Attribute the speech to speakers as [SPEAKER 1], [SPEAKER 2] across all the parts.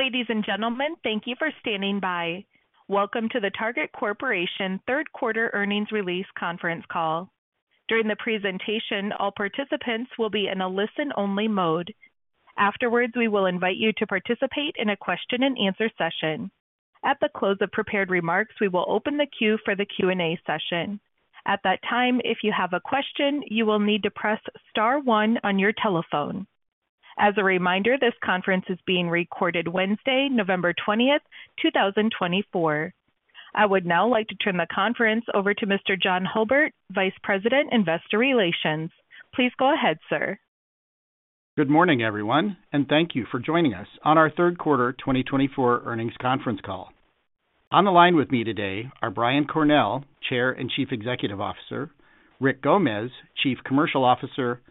[SPEAKER 1] Ladies and gentlemen, thank you for standing by. Welcome to the Target Corporation Third Quarter Earnings Release Conference Call. During the presentation, all participants will be in a listen-only mode. Afterwards, we will invite you to participate in a question-and-answer session. At the close of prepared remarks, we will open the queue for the Q&A session. At that time, if you have a question, you will need to press star one on your telephone. As a reminder, this conference is being recorded Wednesday, November 20th, 2024. I would now like to turn the conference over to Mr. John Hulbert, Vice President, Investor Relations. Please go ahead, sir.
[SPEAKER 2] Good morning, everyone, and thank you for joining us on our Third Quarter 2024 Earnings Conference Call. On the line with me today are Brian Cornell, Chair and Chief Executive Officer, Rick Gomez, Chief Commercial Officer,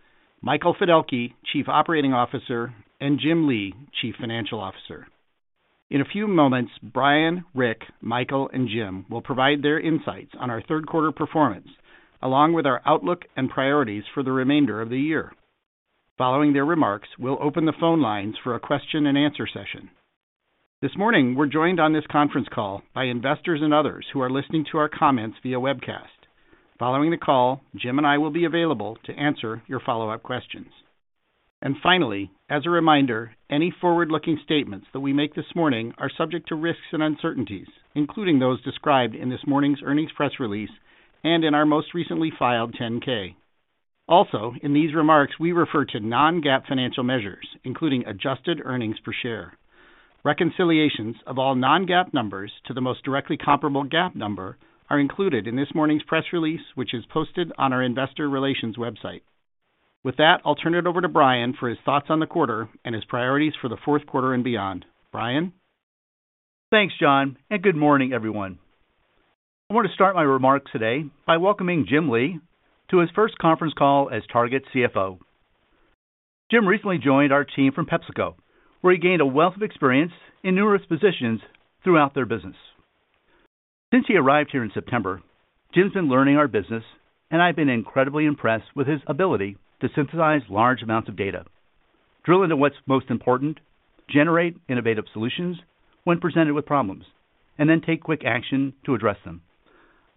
[SPEAKER 2] Michael Fiddelke, Chief Operating Officer, and Jim Lee, Chief Financial Officer. In a few moments, Brian, Rick, Michael, and Jim will provide their insights on our third quarter performance, along with our outlook and priorities for the remainder of the year. Following their remarks, we'll open the phone lines for a question-and-answer session. This morning, we're joined on this conference call by investors and others who are listening to our comments via webcast. Following the call, Jim and I will be available to answer your follow-up questions. And finally, as a reminder, any forward-looking statements that we make this morning are subject to risks and uncertainties, including those described in this morning's earnings press release and in our most recently filed 10-K. Also, in these remarks, we refer to non-GAAP financial measures, including adjusted earnings per share. Reconciliations of all non-GAAP numbers to the most directly comparable GAAP number are included in this morning's press release, which is posted on our investor relations website. With that, I'll turn it over to Brian for his thoughts on the quarter and his priorities for the fourth quarter and beyond. Brian?
[SPEAKER 3] Thanks, John, and good morning, everyone. I want to start my remarks today by welcoming Jim Lee to his first conference call as Target CFO. Jim recently joined our team from PepsiCo, where he gained a wealth of experience in numerous positions throughout their business. Since he arrived here in September, Jim's been learning our business, and I've been incredibly impressed with his ability to synthesize large amounts of data, drill into what's most important, generate innovative solutions when presented with problems, and then take quick action to address them.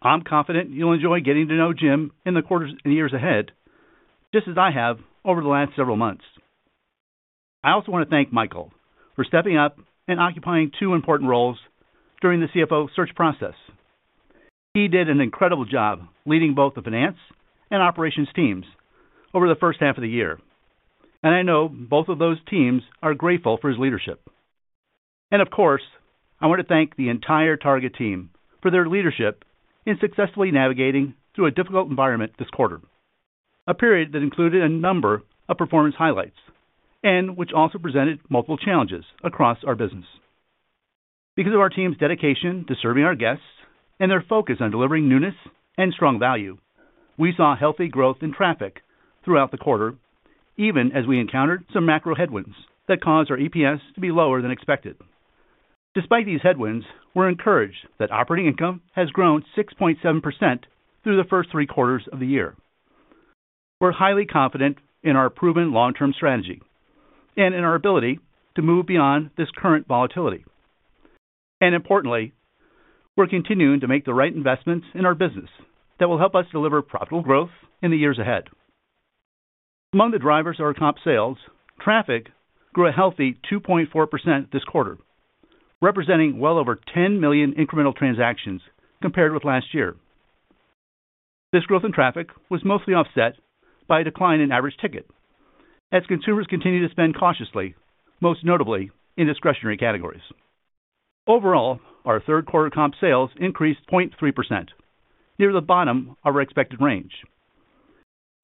[SPEAKER 3] I'm confident you'll enjoy getting to know Jim in the quarters and years ahead, just as I have over the last several months. I also want to thank Michael for stepping up and occupying two important roles during the CFO search process. He did an incredible job leading both the finance and operations teams over the first half of the year, and I know both of those teams are grateful for his leadership. And of course, I want to thank the entire Target team for their leadership in successfully navigating through a difficult environment this quarter, a period that included a number of performance highlights and which also presented multiple challenges across our business. Because of our team's dedication to serving our guests and their focus on delivering newness and strong value, we saw healthy growth in traffic throughout the quarter, even as we encountered some macro headwinds that caused our EPS to be lower than expected. Despite these headwinds, we're encouraged that operating income has grown 6.7% through the first three quarters of the year. We're highly confident in our proven long-term strategy and in our ability to move beyond this current volatility, and importantly, we're continuing to make the right investments in our business that will help us deliver profitable growth in the years ahead. Among the drivers are comp sales. Traffic grew a healthy 2.4% this quarter, representing well over 10 million incremental transactions compared with last year. This growth in traffic was mostly offset by a decline in average ticket as consumers continue to spend cautiously, most notably in discretionary categories. Overall, our third quarter comp sales increased 0.3%, near the bottom of our expected range.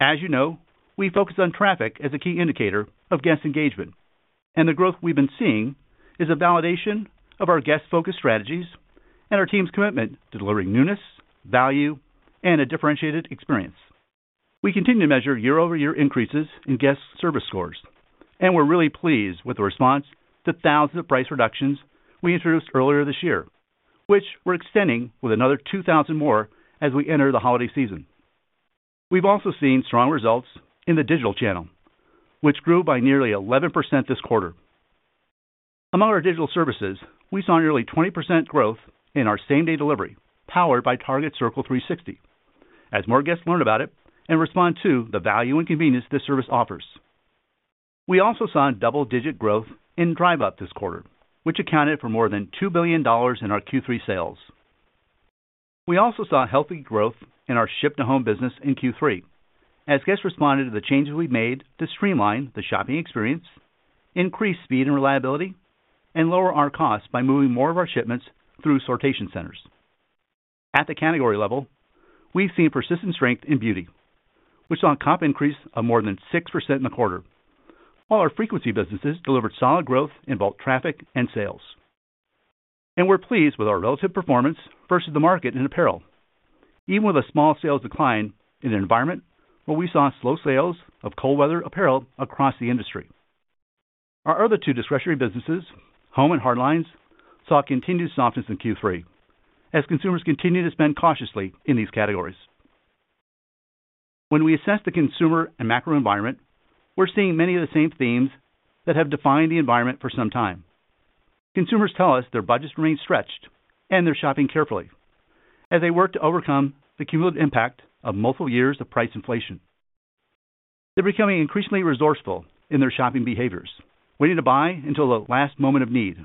[SPEAKER 3] As you know, we focus on traffic as a key indicator of guest engagement, and the growth we've been seeing is a validation of our guest-focused strategies and our team's commitment to delivering newness, value, and a differentiated experience. We continue to measure year-over-year increases in guest service scores, and we're really pleased with the response to thousands of price reductions we introduced earlier this year, which we're extending with another 2,000 more as we enter the holiday season. We've also seen strong results in the digital channel, which grew by nearly 11% this quarter. Among our digital services, we saw nearly 20% growth in our same-day delivery powered by Target Circle 360, as more guests learned about it and responded to the value and convenience this service offers. We also saw double-digit growth in Drive Up this quarter, which accounted for more than $2 billion in our Q3 sales. We also saw healthy growth in our ship-to-home business in Q3, as guests responded to the changes we made to streamline the shopping experience, increase speed and reliability, and lower our costs by moving more of our shipments through sortation centers. At the category level, we've seen persistent strength in beauty, which saw a comp increase of more than 6% in the quarter, while our frequency businesses delivered solid growth in both traffic and sales, and we're pleased with our relative performance versus the market in apparel, even with a small sales decline in the environment where we saw slow sales of cold-weather apparel across the industry. Our other two discretionary businesses, home and hard lines, saw continued softness in Q3, as consumers continued to spend cautiously in these categories. When we assess the consumer and macro environment, we're seeing many of the same themes that have defined the environment for some time. Consumers tell us their budgets remain stretched and they're shopping carefully as they work to overcome the cumulative impact of multiple years of price inflation. They're becoming increasingly resourceful in their shopping behaviors, waiting to buy until the last moment of need,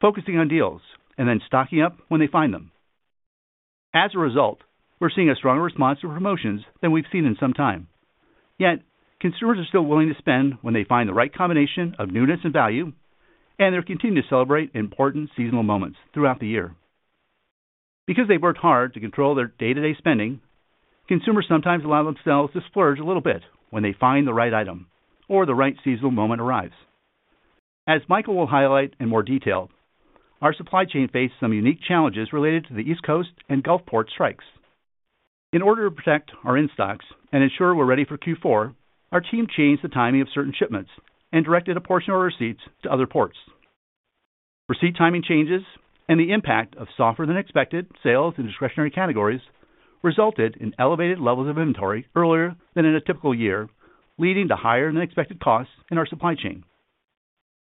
[SPEAKER 3] focusing on deals, and then stocking up when they find them. As a result, we're seeing a stronger response to promotions than we've seen in some time. Yet, consumers are still willing to spend when they find the right combination of newness and value, and they're continuing to celebrate important seasonal moments throughout the year. Because they've worked hard to control their day-to-day spending, consumers sometimes allow themselves to splurge a little bit when they find the right item or the right seasonal moment arrives. As Michael will highlight in more detail, our supply chain faced some unique challenges related to the East Coast and Gulf Coast port strikes. In order to protect our in-stocks and ensure we're ready for Q4, our team changed the timing of certain shipments and directed a portion of our receipts to other ports. Receipt timing changes and the impact of softer-than-expected sales in discretionary categories resulted in elevated levels of inventory earlier than in a typical year, leading to higher-than-expected costs in our supply chain.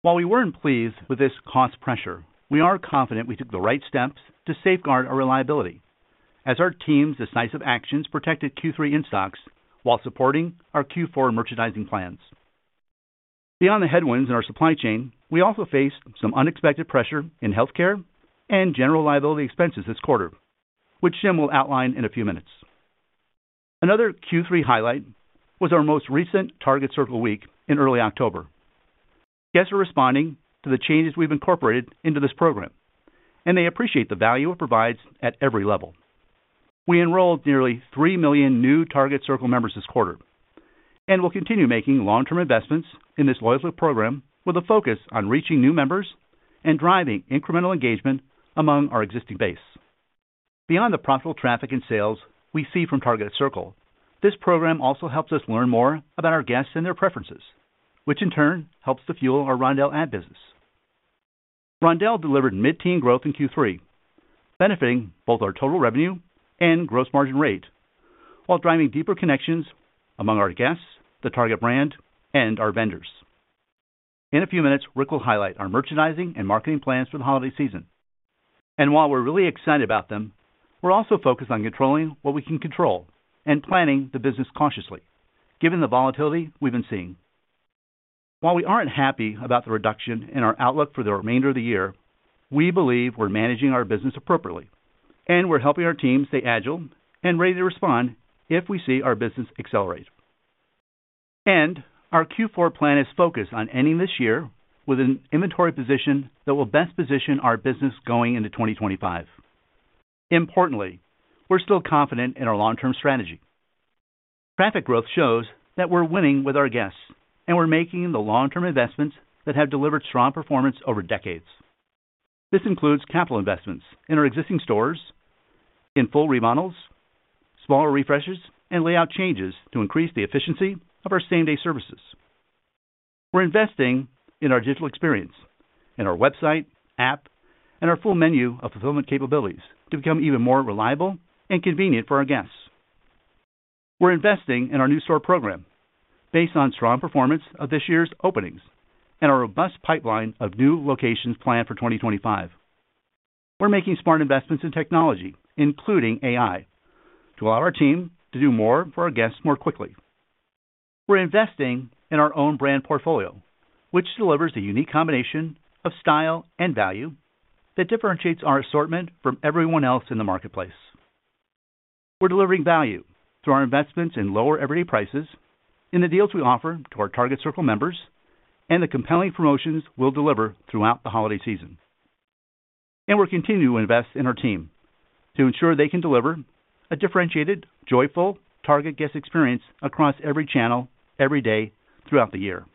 [SPEAKER 3] While we weren't pleased with this cost pressure, we are confident we took the right steps to safeguard our reliability, as our team's decisive actions protected Q3 in-stocks while supporting our Q4 merchandising plans. Beyond the headwinds in our supply chain, we also faced some unexpected pressure in healthcare and general liability expenses this quarter, which Jim will outline in a few minutes. Another Q3 highlight was our most recent Target Circle Week in early October. Guests are responding to the changes we've incorporated into this program, and they appreciate the value it provides at every level. We enrolled nearly 3 million new Target Circle members this quarter and will continue making long-term investments in this loyalty program with a focus on reaching new members and driving incremental engagement among our existing base. Beyond the profitable traffic and sales we see from Target Circle, this program also helps us learn more about our guests and their preferences, which in turn helps to fuel our Roundel ad business. Roundel delivered mid-teen growth in Q3, benefiting both our total revenue and gross margin rate while driving deeper connections among our guests, the Target brand, and our vendors. In a few minutes, Rick will highlight our merchandising and marketing plans for the holiday season. While we're really excited about them, we're also focused on controlling what we can control and planning the business cautiously, given the volatility we've been seeing. While we aren't happy about the reduction in our outlook for the remainder of the year, we believe we're managing our business appropriately, and we're helping our team stay agile and ready to respond if we see our business accelerate. Our Q4 plan is focused on ending this year with an inventory position that will best position our business going into 2025. Importantly, we're still confident in our long-term strategy. Traffic growth shows that we're winning with our guests, and we're making the long-term investments that have delivered strong performance over decades. This includes capital investments in our existing stores, in full remodels, smaller refreshes, and layout changes to increase the efficiency of our same-day services. We're investing in our digital experience, in our website, app, and our full menu of fulfillment capabilities to become even more reliable and convenient for our guests. We're investing in our new store program based on strong performance of this year's openings and our robust pipeline of new locations planned for 2025. We're making smart investments in technology, including AI, to allow our team to do more for our guests more quickly. We're investing in our own brand portfolio, which delivers a unique combination of style and value that differentiates our assortment from everyone else in the marketplace. We're delivering value through our investments in lower everyday prices, in the deals we offer to our Target Circle members, and the compelling promotions we'll deliver throughout the holiday season. And we're continuing to invest in our team to ensure they can deliver a differentiated, joyful Target guest experience across every channel, every day, throughout the year.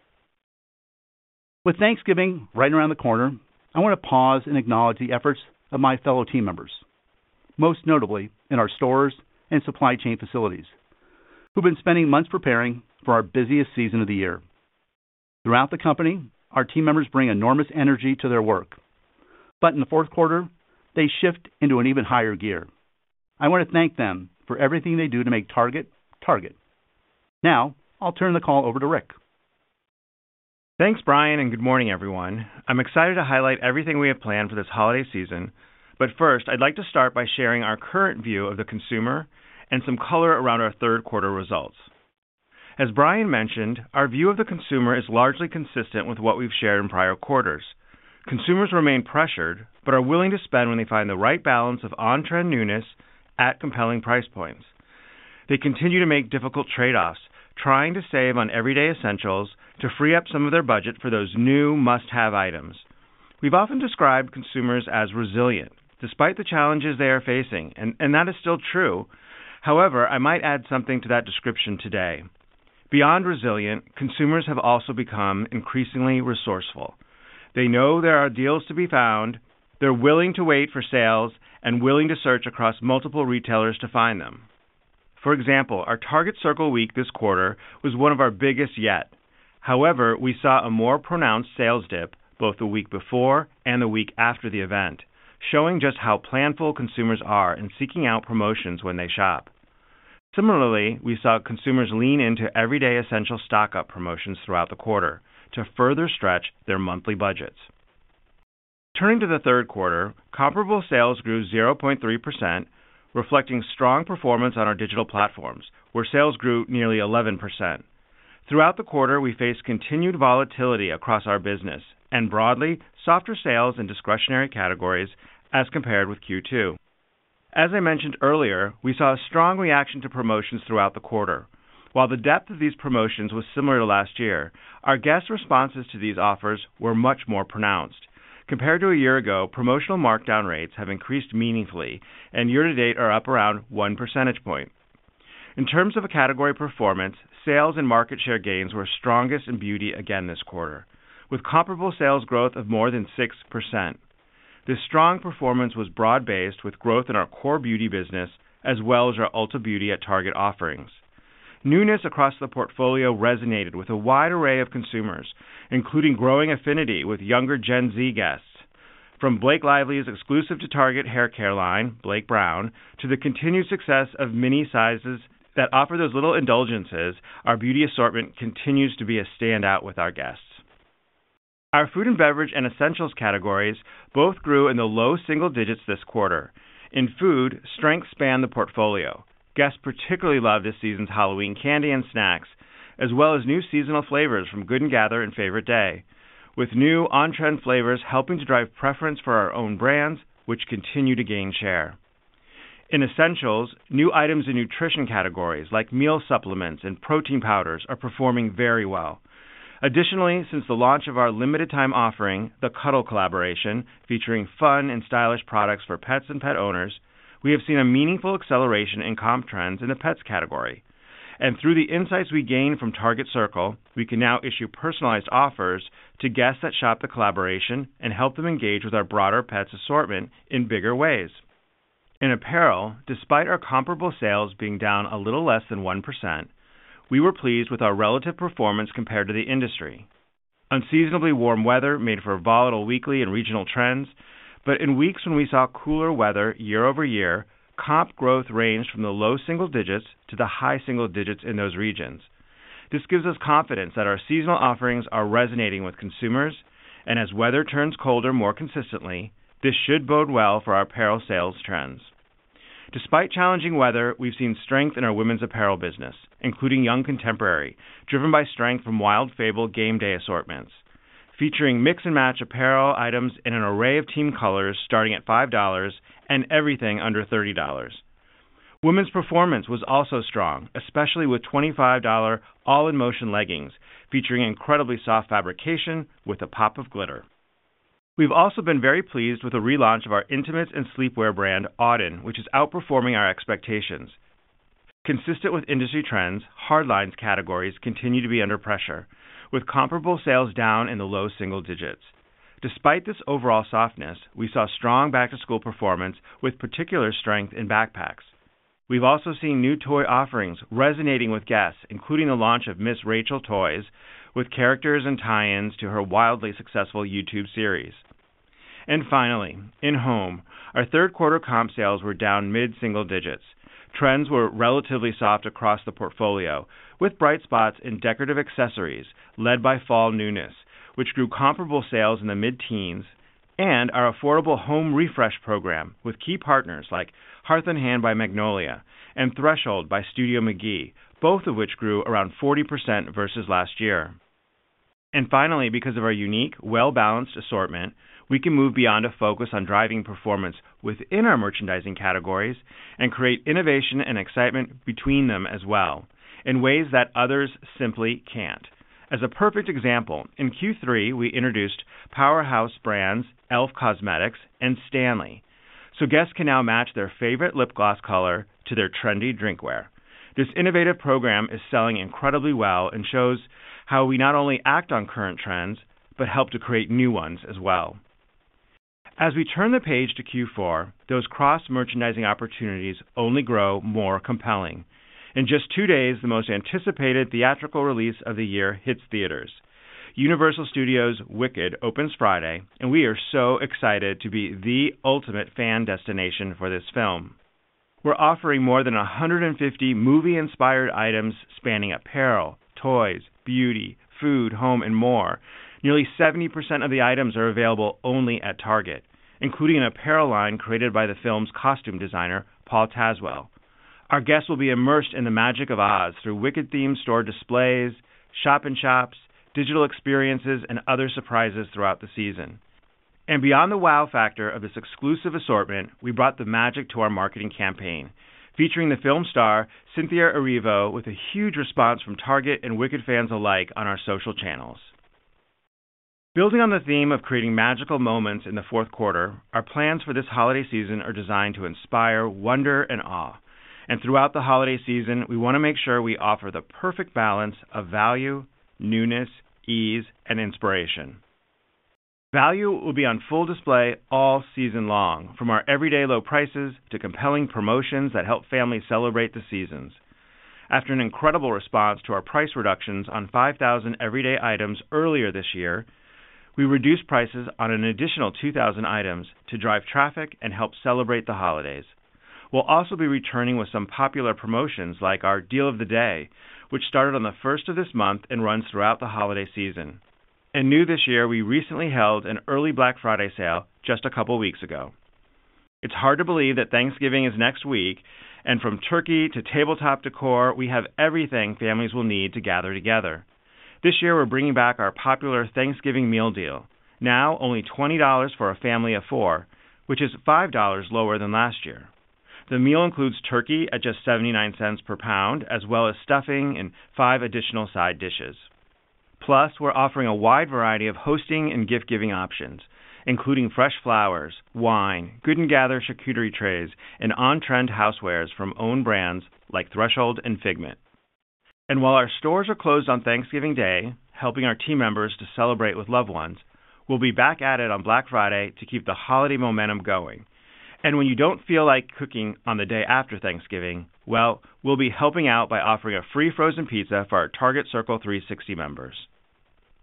[SPEAKER 3] With Thanksgiving right around the corner, I want to pause and acknowledge the efforts of my fellow team members, most notably in our stores and supply chain facilities, who've been spending months preparing for our busiest season of the year. Throughout the company, our team members bring enormous energy to their work, but in the fourth quarter, they shift into an even higher gear. I want to thank them for everything they do to make Target Target. Now, I'll turn the call over to Rick.
[SPEAKER 4] Thanks, Brian, and good morning, everyone. I'm excited to highlight everything we have planned for this holiday season, but first, I'd like to start by sharing our current view of the consumer and some color around our third quarter results. As Brian mentioned, our view of the consumer is largely consistent with what we've shared in prior quarters. Consumers remain pressured but are willing to spend when they find the right balance of on-trend newness at compelling price points. They continue to make difficult trade-offs, trying to save on everyday essentials to free up some of their budget for those new must-have items. We've often described consumers as resilient, despite the challenges they are facing, and that is still true. However, I might add something to that description today. Beyond resilient, consumers have also become increasingly resourceful. They know there are deals to be found. They're willing to wait for sales and willing to search across multiple retailers to find them. For example, our Target Circle week this quarter was one of our biggest yet. However, we saw a more pronounced sales dip both the week before and the week after the event, showing just how planful consumers are in seeking out promotions when they shop. Similarly, we saw consumers lean into everyday essential stock-up promotions throughout the quarter to further stretch their monthly budgets. Turning to the third quarter, comparable sales grew 0.3%, reflecting strong performance on our digital platforms, where sales grew nearly 11%. Throughout the quarter, we faced continued volatility across our business and broadly softer sales in discretionary categories as compared with Q2. As I mentioned earlier, we saw a strong reaction to promotions throughout the quarter. While the depth of these promotions was similar to last year, our guest responses to these offers were much more pronounced. Compared to a year ago, promotional markdown rates have increased meaningfully, and year-to-date are up around one percentage point. In terms of category performance, sales and market share gains were strongest in beauty again this quarter, with comparable sales growth of more than 6%. This strong performance was broad-based with growth in our core beauty business as well as our Ulta Beauty at Target offerings. Newness across the portfolio resonated with a wide array of consumers, including growing affinity with younger Gen Z guests. From Blake Lively's exclusive to Target hair care line, Blake Brown, to the continued success of mini sizes that offer those little indulgences, our beauty assortment continues to be a standout with our guests. Our food and beverage and essentials categories both grew in the low single digits this quarter. In food, strengths spanned the portfolio. Guests particularly loved this season's Halloween candy and snacks, as well as new seasonal flavors from Good & Gather and Favorite Day, with new on-trend flavors helping to drive preference for our own brands, which continue to gain share. In essentials, new items in nutrition categories like meal supplements and protein powders are performing very well. Additionally, since the launch of our limited-time offering, the Cuddle Collab, featuring fun and stylish products for pets and pet owners, we have seen a meaningful acceleration in comp trends in the pets category, and through the insights we gained from Target Circle, we can now issue personalized offers to guests that shop the Collab and help them engage with our broader pets assortment in bigger ways. In apparel, despite our comparable sales being down a little less than 1%, we were pleased with our relative performance compared to the industry. Unseasonably warm weather made for volatile weekly and regional trends, but in weeks when we saw cooler weather year over year, comp growth ranged from the low single digits to the high single digits in those regions. This gives us confidence that our seasonal offerings are resonating with consumers, and as weather turns colder more consistently, this should bode well for our apparel sales trends. Despite challenging weather, we've seen strength in our women's apparel business, including young contemporary, driven by strength from Wild Fable game day assortments, featuring mix-and-match apparel items in an array of team colors starting at $5 and everything under $30. Women's performance was also strong, especially with $25 All in Motion leggings featuring incredibly soft fabrication with a pop of glitter. We've also been very pleased with the relaunch of our intimates and sleepwear brand, Auden, which is outperforming our expectations. Consistent with industry trends, hard lines categories continue to be under pressure, with comparable sales down in the low single digits. Despite this overall softness, we saw strong back-to-school performance with particular strength in backpacks. We've also seen new toy offerings resonating with guests, including the launch of Ms. Rachel Toys, with characters and tie-ins to her wildly successful YouTube series, and finally, in home, our third quarter comp sales were down mid-single digits. Trends were relatively soft across the portfolio, with bright spots in decorative accessories led by Fall Newness, which grew comparable sales in the mid-teens, and our affordable home refresh program with key partners like Hearth & Hand by Magnolia and Threshold by Studio McGee, both of which grew around 40% versus last year. Finally, because of our unique, well-balanced assortment, we can move beyond a focus on driving performance within our merchandising categories and create innovation and excitement between them as well in ways that others simply can't. As a perfect example, in Q3, we introduced powerhouse brands e.l.f. Cosmetics and Stanley, so guests can now match their favorite lip gloss color to their trendy drinkware. This innovative program is selling incredibly well and shows how we not only act on current trends but help to create new ones as well. As we turn the page to Q4, those cross-merchandising opportunities only grow more compelling. In just two days, the most anticipated theatrical release of the year hits theaters. Universal's Wicked opens Friday, and we are so excited to be the ultimate fan destination for this film. We're offering more than 150 movie-inspired items spanning apparel, toys, beauty, food, home, and more. Nearly 70% of the items are available only at Target, including an apparel line created by the film's costume designer, Paul Tazwell. Our guests will be immersed in the magic of Oz through Wicked-themed store displays, shop-in-shops, digital experiences, and other surprises throughout the season, and beyond the wow factor of this exclusive assortment, we brought the magic to our marketing campaign, featuring the film star Cynthia Erivo with a huge response from Target and Wicked fans alike on our social channels. Building on the theme of creating magical moments in the fourth quarter, our plans for this holiday season are designed to inspire wonder and awe, and throughout the holiday season, we want to make sure we offer the perfect balance of value, newness, ease, and inspiration. Value will be on full display all season long, from our everyday low prices to compelling promotions that help families celebrate the seasons. After an incredible response to our price reductions on 5,000 everyday items earlier this year, we reduced prices on an additional 2,000 items to drive traffic and help celebrate the holidays. We'll also be returning with some popular promotions like our Deal of the Day, which started on the 1st of this month and runs throughout the holiday season. And new this year, we recently held an early Black Friday sale just a couple of weeks ago. It's hard to believe that Thanksgiving is next week, and from turkey to tabletop decor, we have everything families will need to gather together. This year, we're bringing back our popular Thanksgiving meal deal, now only $20 for a family of four, which is $5 lower than last year. The meal includes turkey at just $0.79 per pound, as well as stuffing and five additional side dishes. Plus, we're offering a wide variety of hosting and gift-giving options, including fresh flowers, wine, Good & Gather charcuterie trays, and on-trend housewares from own brands like Threshold and Figment. And while our stores are closed on Thanksgiving Day, helping our team members to celebrate with loved ones, we'll be back at it on Black Friday to keep the holiday momentum going. And when you don't feel like cooking on the day after Thanksgiving, well, we'll be helping out by offering a free frozen pizza for our Target Circle 360 members.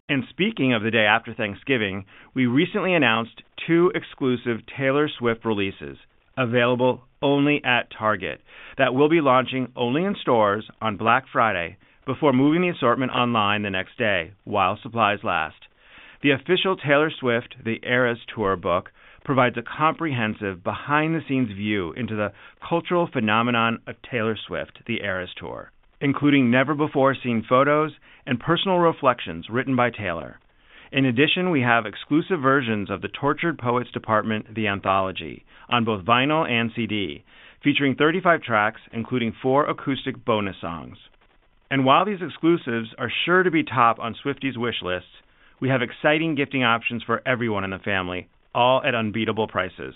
[SPEAKER 4] And speaking of the day after Thanksgiving, we recently announced two exclusive Taylor Swift releases available only at Target that we'll be launching only in stores on Black Friday before moving the assortment online the next day while supplies last. The official Taylor Swift: The Eras Tour Book provides a comprehensive behind-the-scenes view into the cultural phenomenon of Taylor Swift: The Eras Tour, including never-before-seen photos and personal reflections written by Taylor. In addition, we have exclusive versions of The Tortured Poets Department: The Anthology on both vinyl and CD, featuring 35 tracks, including four acoustic bonus songs, and while these exclusives are sure to be top on Swifties' wish lists, we have exciting gifting options for everyone in the family, all at unbeatable prices.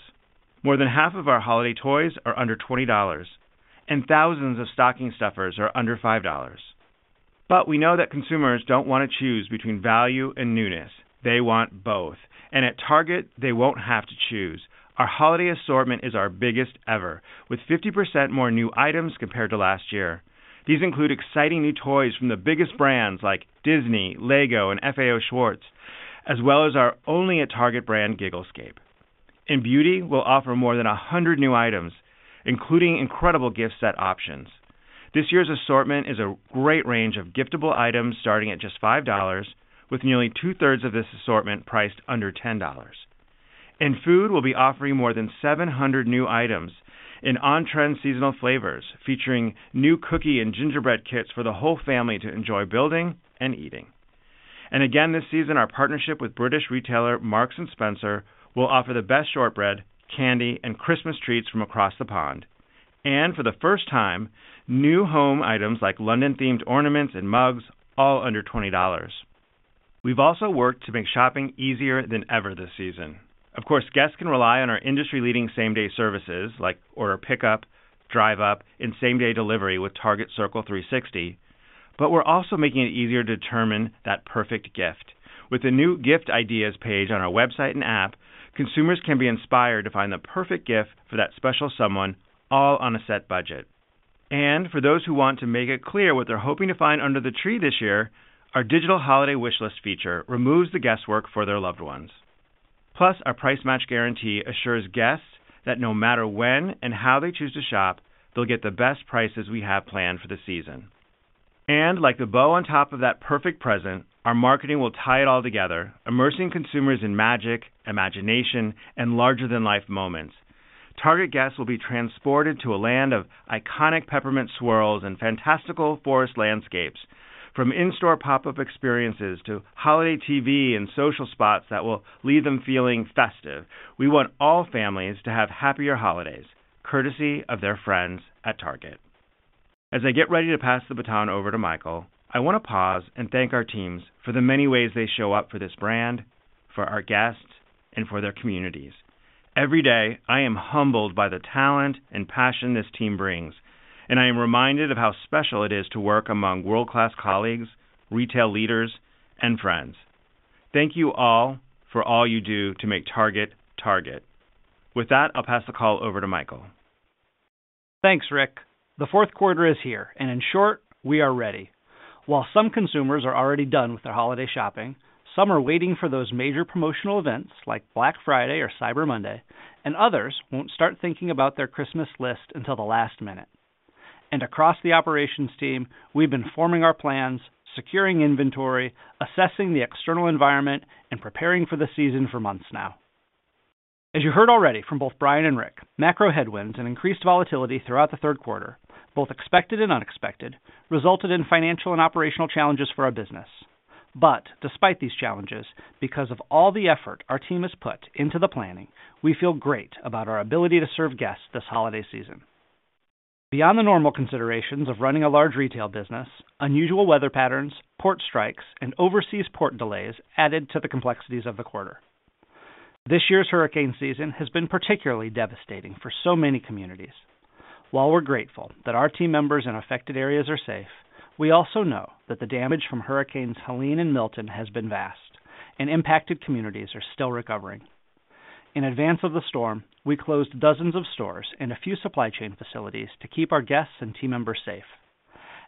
[SPEAKER 4] More than half of our holiday toys are under $20, and thousands of stocking stuffers are under $5, but we know that consumers don't want to choose between value and newness. They want both, and at Target, they won't have to choose. Our holiday assortment is our biggest ever, with 50% more new items compared to last year. These include exciting new toys from the biggest brands like Disney, Lego, and FAO Schwarz, as well as our only at Target brand, Gigglescape. In beauty, we'll offer more than 100 new items, including incredible gift set options. This year's assortment is a great range of giftable items starting at just $5, with nearly two-thirds of this assortment priced under $10. In food, we'll be offering more than 700 new items in on-trend seasonal flavors, featuring new cookie and gingerbread kits for the whole family to enjoy building and eating. And again this season, our partnership with British retailer Marks & Spencer will offer the best shortbread, candy, and Christmas treats from across the pond. And for the first time, new home items like London-themed ornaments and mugs, all under $20. We've also worked to make shopping easier than ever this season. Of course, guests can rely on our industry-leading same-day services like Order Pickup, drive-up, and same-day delivery with Target Circle 360, but we're also making it easier to determine that perfect gift. With the new gift ideas page on our website and app, consumers can be inspired to find the perfect gift for that special someone, all on a set budget. And for those who want to make it clear what they're hoping to find under the tree this year, our digital holiday wish list feature removes the guesswork for their loved ones. Plus, our price match guarantee assures guests that no matter when and how they choose to shop, they'll get the best prices we have planned for the season. And like the bow on top of that perfect present, our marketing will tie it all together, immersing consumers in magic, imagination, and larger-than-life moments. Target guests will be transported to a land of iconic peppermint swirls and fantastical forest landscapes, from in-store pop-up experiences to holiday TV and social spots that will leave them feeling festive. We want all families to have happier holidays, courtesy of their friends at Target. As I get ready to pass the baton over to Michael, I want to pause and thank our teams for the many ways they show up for this brand, for our guests, and for their communities. Every day, I am humbled by the talent and passion this team brings, and I am reminded of how special it is to work among world-class colleagues, retail leaders, and friends. Thank you all for all you do to make Target Target. With that, I'll pass the call over to Michael.
[SPEAKER 5] Thanks, Rick. The fourth quarter is here, and in short, we are ready. While some consumers are already done with their holiday shopping, some are waiting for those major promotional events like Black Friday or Cyber Monday, and others won't start thinking about their Christmas list until the last minute, and across the operations team, we've been forming our plans, securing inventory, assessing the external environment, and preparing for the season for months now. As you heard already from both Brian and Rick, macro headwinds and increased volatility throughout the third quarter, both expected and unexpected, resulted in financial and operational challenges for our business, but despite these challenges, because of all the effort our team has put into the planning, we feel great about our ability to serve guests this holiday season. Beyond the normal considerations of running a large retail business, unusual weather patterns, port strikes, and overseas port delays added to the complexities of the quarter. This year's hurricane season has been particularly devastating for so many communities. While we're grateful that our team members in affected areas are safe, we also know that the damage from Hurricanes Helene and Milton has been vast, and impacted communities are still recovering. In advance of the storm, we closed dozens of stores and a few supply chain facilities to keep our guests and team members safe.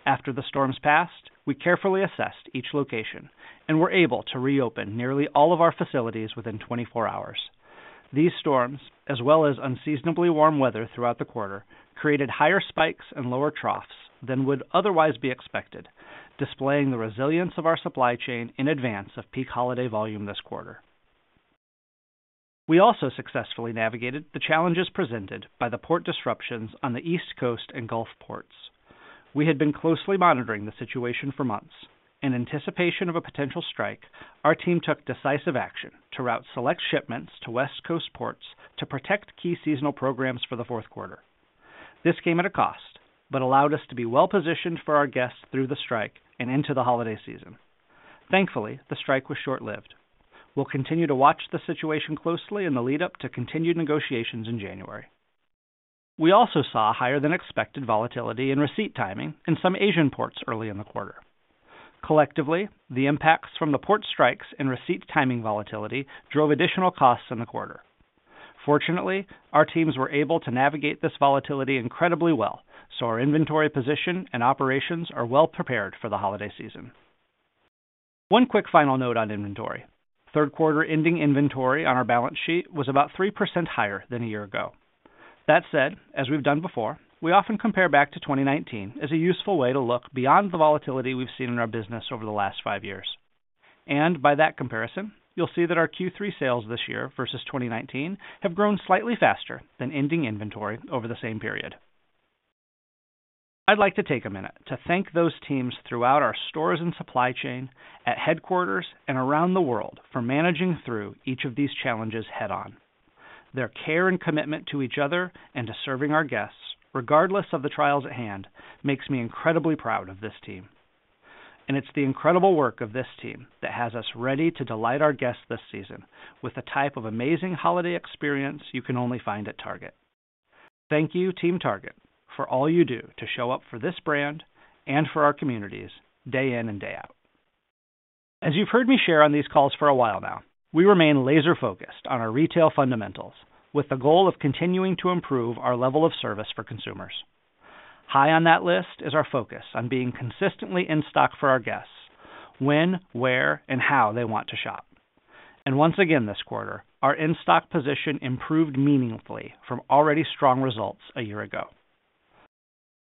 [SPEAKER 5] After the storms passed, we carefully assessed each location and were able to reopen nearly all of our facilities within 24 hours. These storms, as well as unseasonably warm weather throughout the quarter, created higher spikes and lower troughs than would otherwise be expected, displaying the resilience of our supply chain in advance of peak holiday volume this quarter. We also successfully navigated the challenges presented by the port disruptions on the East Coast and Gulf ports. We had been closely monitoring the situation for months. In anticipation of a potential strike, our team took decisive action to route select shipments to West Coast ports to protect key seasonal programs for the fourth quarter. This came at a cost but allowed us to be well-positioned for our guests through the strike and into the holiday season. Thankfully, the strike was short-lived. We'll continue to watch the situation closely in the lead-up to continued negotiations in January. We also saw higher-than-expected volatility in receipt timing in some Asian ports early in the quarter. Collectively, the impacts from the port strikes and receipt timing volatility drove additional costs in the quarter. Fortunately, our teams were able to navigate this volatility incredibly well, so our inventory position and operations are well-prepared for the holiday season. One quick final note on inventory: third-quarter ending inventory on our balance sheet was about 3% higher than a year ago. That said, as we've done before, we often compare back to 2019 as a useful way to look beyond the volatility we've seen in our business over the last five years, and by that comparison, you'll see that our Q3 sales this year versus 2019 have grown slightly faster than ending inventory over the same period. I'd like to take a minute to thank those teams throughout our stores and supply chain, at headquarters, and around the world for managing through each of these challenges head-on. Their care and commitment to each other and to serving our guests, regardless of the trials at hand, makes me incredibly proud of this team. It's the incredible work of this team that has us ready to delight our guests this season with the type of amazing holiday experience you can only find at Target. Thank you, Team Target, for all you do to show up for this brand and for our communities day in and day out. As you've heard me share on these calls for a while now, we remain laser-focused on our retail fundamentals with the goal of continuing to improve our level of service for consumers. High on that list is our focus on being consistently in stock for our guests when, where, and how they want to shop. And once again this quarter, our in-stock position improved meaningfully from already strong results a year ago.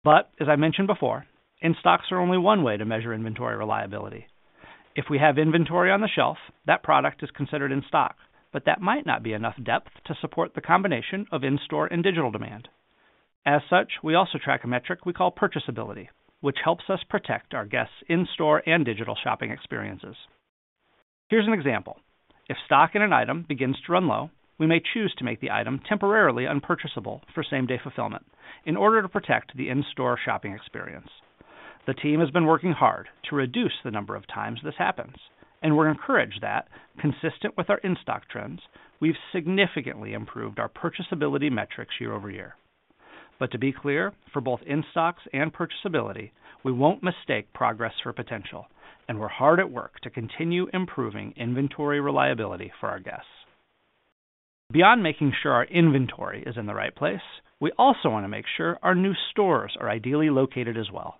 [SPEAKER 5] As I mentioned before, in-stocks are only one way to measure inventory reliability. If we have inventory on the shelf, that product is considered in stock, but that might not be enough depth to support the combination of in-store and digital demand. As such, we also track a metric we call purchasability, which helps us protect our guests' in-store and digital shopping experiences. Here's an example. If stock in an item begins to run low, we may choose to make the item temporarily unpurchasable for same-day fulfillment in order to protect the in-store shopping experience. The team has been working hard to reduce the number of times this happens, and we're encouraged that, consistent with our in-stock trends, we've significantly improved our purchasability metrics year over year. But to be clear, for both in-stocks and purchasability, we won't mistake progress for potential, and we're hard at work to continue improving inventory reliability for our guests. Beyond making sure our inventory is in the right place, we also want to make sure our new stores are ideally located as well.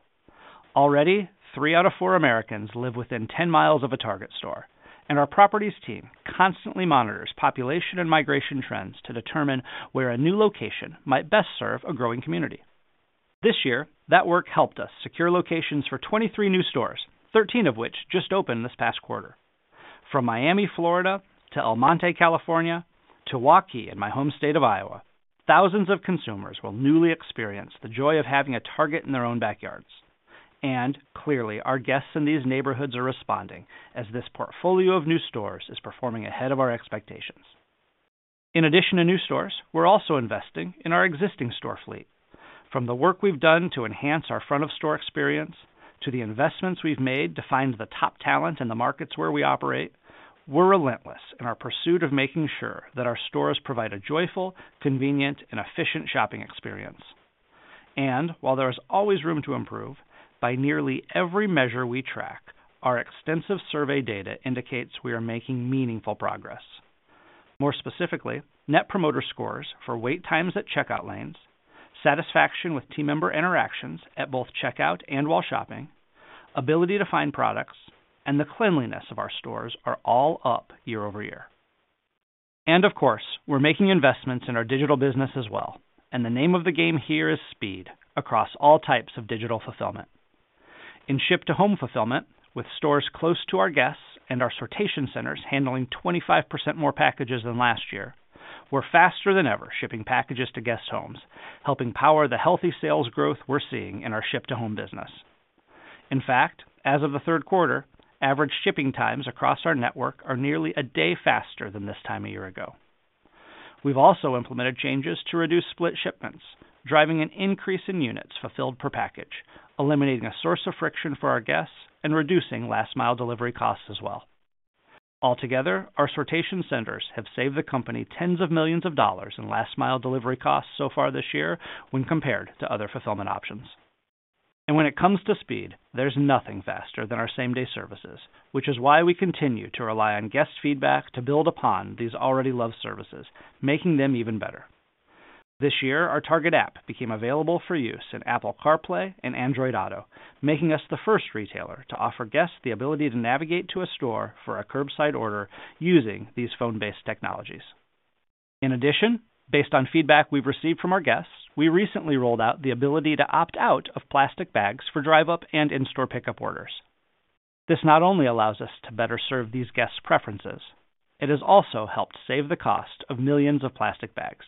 [SPEAKER 5] Already, three out of four Americans live within 10 miles of a Target store, and our properties team constantly monitors population and migration trends to determine where a new location might best serve a growing community. This year, that work helped us secure locations for 23 new stores, 13 of which just opened this past quarter. From Miami, Florida, to El Monte, California, to Waukee in my home state of Iowa, thousands of consumers will newly experience the joy of having a Target in their own backyards, and clearly, our guests in these neighborhoods are responding as this portfolio of new stores is performing ahead of our expectations. In addition to new stores, we're also investing in our existing store fleet. From the work we've done to enhance our front-of-store experience to the investments we've made to find the top talent in the markets where we operate, we're relentless in our pursuit of making sure that our stores provide a joyful, convenient, and efficient shopping experience. And while there is always room to improve, by nearly every measure we track, our extensive survey data indicates we are making meaningful progress. More specifically, net promoter scores for wait times at checkout lanes, satisfaction with team member interactions at both checkout and while shopping, ability to find products, and the cleanliness of our stores are all up year over year. And of course, we're making investments in our digital business as well, and the name of the game here is speed across all types of digital fulfillment. In ship-to-home fulfillment, with stores close to our guests and our sortation centers handling 25% more packages than last year, we're faster than ever shipping packages to guests' homes, helping power the healthy sales growth we're seeing in our ship-to-home business. In fact, as of the third quarter, average shipping times across our network are nearly a day faster than this time a year ago. We've also implemented changes to reduce split shipments, driving an increase in units fulfilled per package, eliminating a source of friction for our guests, and reducing last-mile delivery costs as well. Altogether, our sortation centers have saved the company tens of millions of dollars in last-mile delivery costs so far this year when compared to other fulfillment options. When it comes to speed, there's nothing faster than our same-day services, which is why we continue to rely on guest feedback to build upon these already loved services, making them even better. This year, our Target app became available for use in Apple CarPlay and Android Auto, making us the first retailer to offer guests the ability to navigate to a store for a curbside order using these phone-based technologies. In addition, based on feedback we've received from our guests, we recently rolled out the ability to opt out of plastic bags for drive-up and in-store pickup orders. This not only allows us to better serve these guests' preferences, it has also helped save the cost of millions of plastic bags.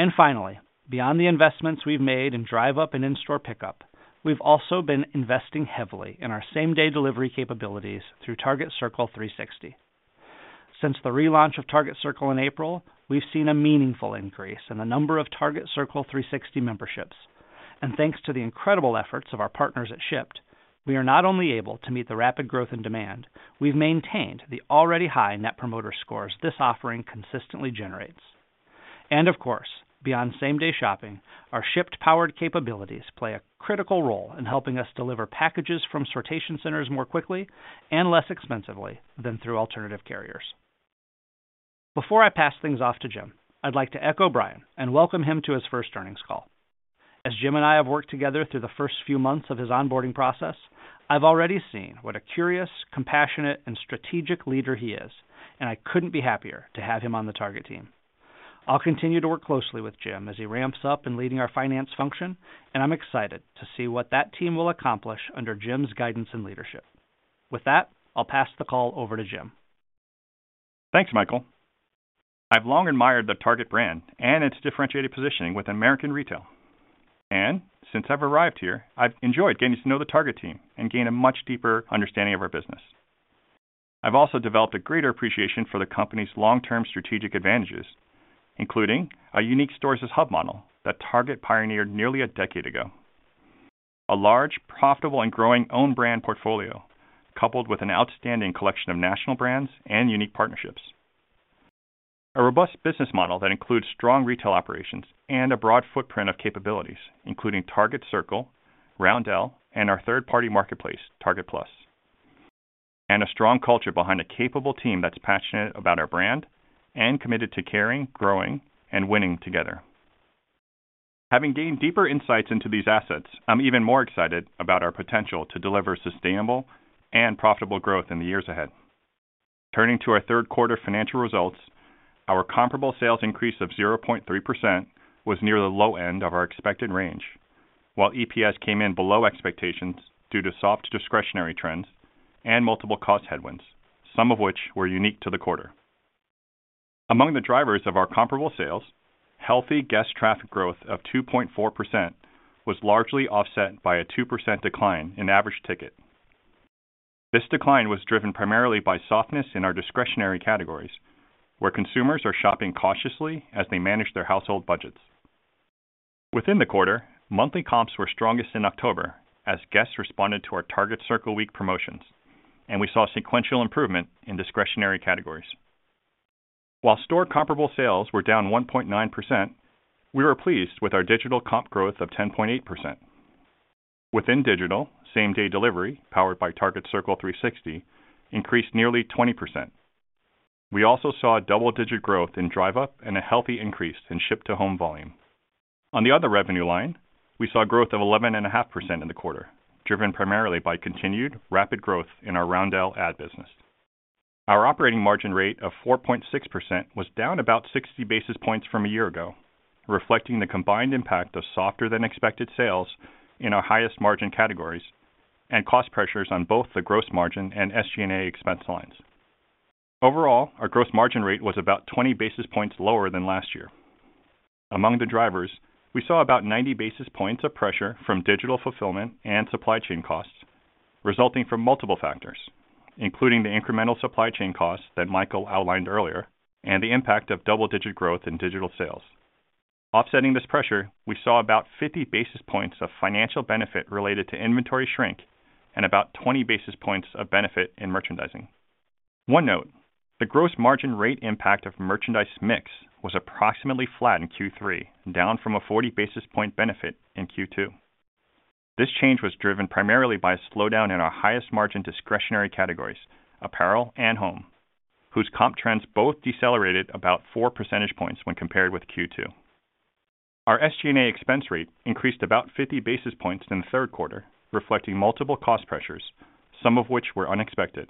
[SPEAKER 5] And finally, beyond the investments we've made in drive-up and in-store pickup, we've also been investing heavily in our same-day delivery capabilities through Target Circle 360. Since the relaunch of Target Circle in April, we've seen a meaningful increase in the number of Target Circle 360 memberships, and thanks to the incredible efforts of our partners at Shipt, we are not only able to meet the rapid growth in demand, we've maintained the already high net promoter scores this offering consistently generates, and of course, beyond same-day shopping, our Shipt-powered capabilities play a critical role in helping us deliver packages from sortation centers more quickly and less expensively than through alternative carriers. Before I pass things off to Jim, I'd like to echo Brian and welcome him to his first earnings call. As Jim and I have worked together through the first few months of his onboarding process, I've already seen what a curious, compassionate, and strategic leader he is, and I couldn't be happier to have him on the Target team. I'll continue to work closely with Jim as he ramps up in leading our finance function, and I'm excited to see what that team will accomplish under Jim's guidance and leadership. With that, I'll pass the call over to Jim.
[SPEAKER 6] Thanks, Michael. I've long admired the Target brand and its differentiated positioning within American retail. And since I've arrived here, I've enjoyed getting to know the Target team and gain a much deeper understanding of our business. I've also developed a greater appreciation for the company's long-term strategic advantages, including a unique Stores-as-Hub model that Target pioneered nearly a decade ago, a large, profitable, and growing own-brand portfolio coupled with an outstanding collection of national brands and unique partnerships, a robust business model that includes strong retail operations and a broad footprint of capabilities, including Target Circle, Roundel, and our third-party marketplace, Target Plus, and a strong culture behind a capable team that's passionate about our brand and committed to caring, growing, and winning together. Having gained deeper insights into these assets, I'm even more excited about our potential to deliver sustainable and profitable growth in the years ahead. Turning to our third-quarter financial results, our comparable sales increase of 0.3% was near the low end of our expected range, while EPS came in below expectations due to soft discretionary trends and multiple cost headwinds, some of which were unique to the quarter. Among the drivers of our comparable sales, healthy guest traffic growth of 2.4% was largely offset by a 2% decline in average ticket. This decline was driven primarily by softness in our discretionary categories, where consumers are shopping cautiously as they manage their household budgets. Within the quarter, monthly comps were strongest in October as guests responded to our Target Circle week promotions, and we saw sequential improvement in discretionary categories. While store comparable sales were down 1.9%, we were pleased with our digital comp growth of 10.8%. Within digital, same-day delivery powered by Target Circle 360 increased nearly 20%. We also saw double-digit growth in drive-up and a healthy increase in ship-to-home volume. On the other revenue line, we saw growth of 11.5% in the quarter, driven primarily by continued rapid growth in our Roundel ad business. Our operating margin rate of 4.6% was down about 60 basis points from a year ago, reflecting the combined impact of softer-than-expected sales in our highest margin categories and cost pressures on both the gross margin and SG&A expense lines. Overall, our gross margin rate was about 20 basis points lower than last year. Among the drivers, we saw about 90 basis points of pressure from digital fulfillment and supply chain costs, resulting from multiple factors, including the incremental supply chain costs that Michael outlined earlier and the impact of double-digit growth in digital sales. Offsetting this pressure, we saw about 50 basis points of financial benefit related to inventory shrink and about 20 basis points of benefit in merchandising. One note: the gross margin rate impact of merchandise mix was approximately flat in Q3, down from a 40 basis point benefit in Q2. This change was driven primarily by a slowdown in our highest margin discretionary categories, apparel and home, whose comp trends both decelerated about four percentage points when compared with Q2. Our SG&A expense rate increased about 50 basis points in the third quarter, reflecting multiple cost pressures, some of which were unexpected,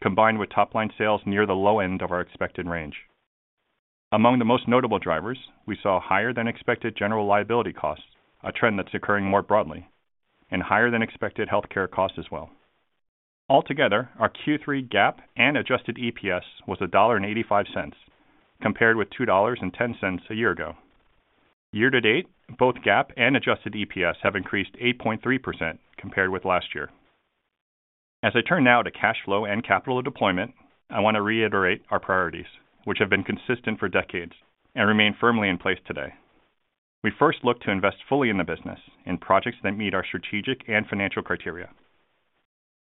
[SPEAKER 6] combined with top-line sales near the low end of our expected range. Among the most notable drivers, we saw higher-than-expected general liability costs, a trend that's occurring more broadly, and higher-than-expected healthcare costs as well. Altogether, our Q3 GAAP and adjusted EPS was $1.85 compared with $2.10 a year ago. Year to date, both GAAP and adjusted EPS have increased 8.3% compared with last year. As I turn now to cash flow and capital deployment, I want to reiterate our priorities, which have been consistent for decades and remain firmly in place today. We first look to invest fully in the business in projects that meet our strategic and financial criteria.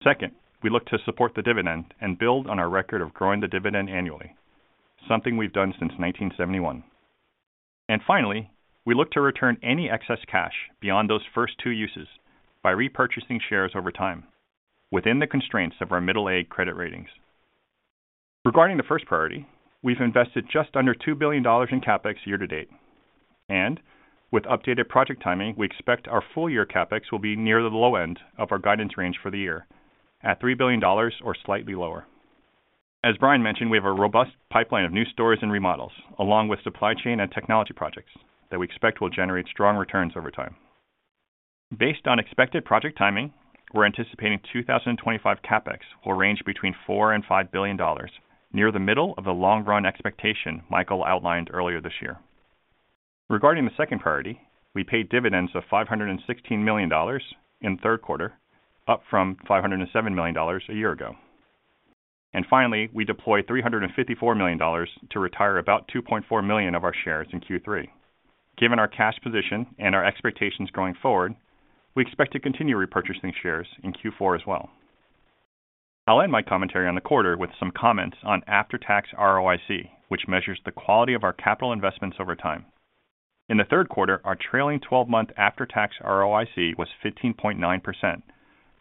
[SPEAKER 6] Second, we look to support the dividend and build on our record of growing the dividend annually, something we've done since 1971. And finally, we look to return any excess cash beyond those first two uses by repurchasing shares over time within the constraints of our investment-grade credit ratings. Regarding the first priority, we've invested just under $2 billion in CapEx year to date. And with updated project timing, we expect our full-year CapEx will be near the low end of our guidance range for the year at $3 billion or slightly lower. As Brian mentioned, we have a robust pipeline of new stores and remodels, along with supply chain and technology projects that we expect will generate strong returns over time. Based on expected project timing, we're anticipating 2025 CapEx will range between $4 billion and $5 billion, near the middle of the long-run expectation Michael outlined earlier this year. Regarding the second priority, we paid dividends of $516 million in third quarter, up from $507 million a year ago. And finally, we deployed $354 million to retire about 2.4 million of our shares in Q3. Given our cash position and our expectations going forward, we expect to continue repurchasing shares in Q4 as well. I'll end my commentary on the quarter with some comments on after-tax ROIC, which measures the quality of our capital investments over time. In the third quarter, our trailing 12-month after-tax ROIC was 15.9%,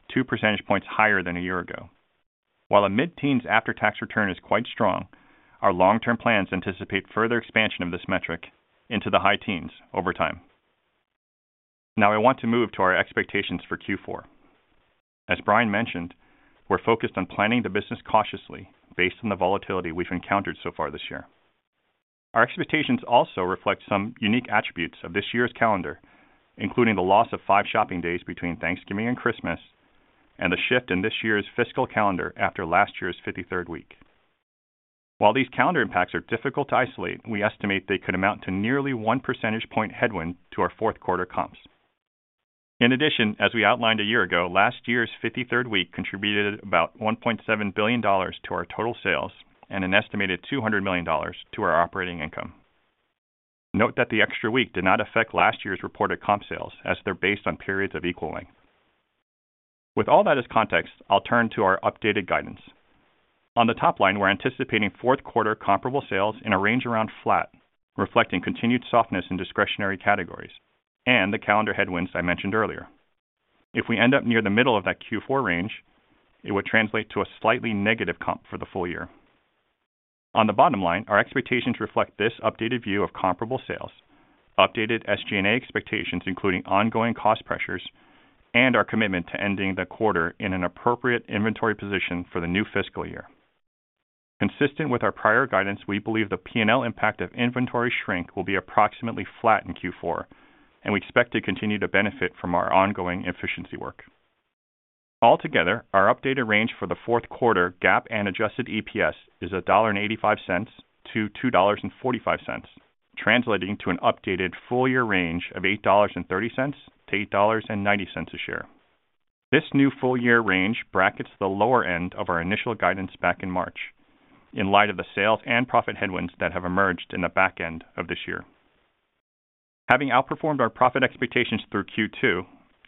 [SPEAKER 6] 2 percentage points higher than a year ago. While a mid-teens after-tax return is quite strong, our long-term plans anticipate further expansion of this metric into the high teens over time. Now I want to move to our expectations for Q4. As Brian mentioned, we're focused on planning the business cautiously based on the volatility we've encountered so far this year. Our expectations also reflect some unique attributes of this year's calendar, including the loss of five shopping days between Thanksgiving and Christmas and the shift in this year's fiscal calendar after last year's 53rd week. While these calendar impacts are difficult to isolate, we estimate they could amount to nearly one percentage point headwind to our fourth quarter comps. In addition, as we outlined a year ago, last year's 53rd week contributed about $1.7 billion to our total sales and an estimated $200 million to our operating income. Note that the extra week did not affect last year's reported comp sales, as they're based on periods of equal length. With all that as context, I'll turn to our updated guidance. On the top line, we're anticipating fourth quarter comparable sales in a range around flat, reflecting continued softness in discretionary categories and the calendar headwinds I mentioned earlier. If we end up near the middle of that Q4 range, it would translate to a slightly negative comp for the full year. On the bottom line, our expectations reflect this updated view of comparable sales, updated SG&A expectations, including ongoing cost pressures, and our commitment to ending the quarter in an appropriate inventory position for the new fiscal year. Consistent with our prior guidance, we believe the P&L impact of inventory shrink will be approximately flat in Q4, and we expect to continue to benefit from our ongoing efficiency work. Altogether, our updated range for the fourth quarter GAAP and adjusted EPS is $1.85-$2.45, translating to an updated full-year range of $8.30-$8.90 a share. This new full-year range brackets the lower end of our initial guidance back in March, in light of the sales and profit headwinds that have emerged in the back end of this year. Having outperformed our profit expectations through Q2,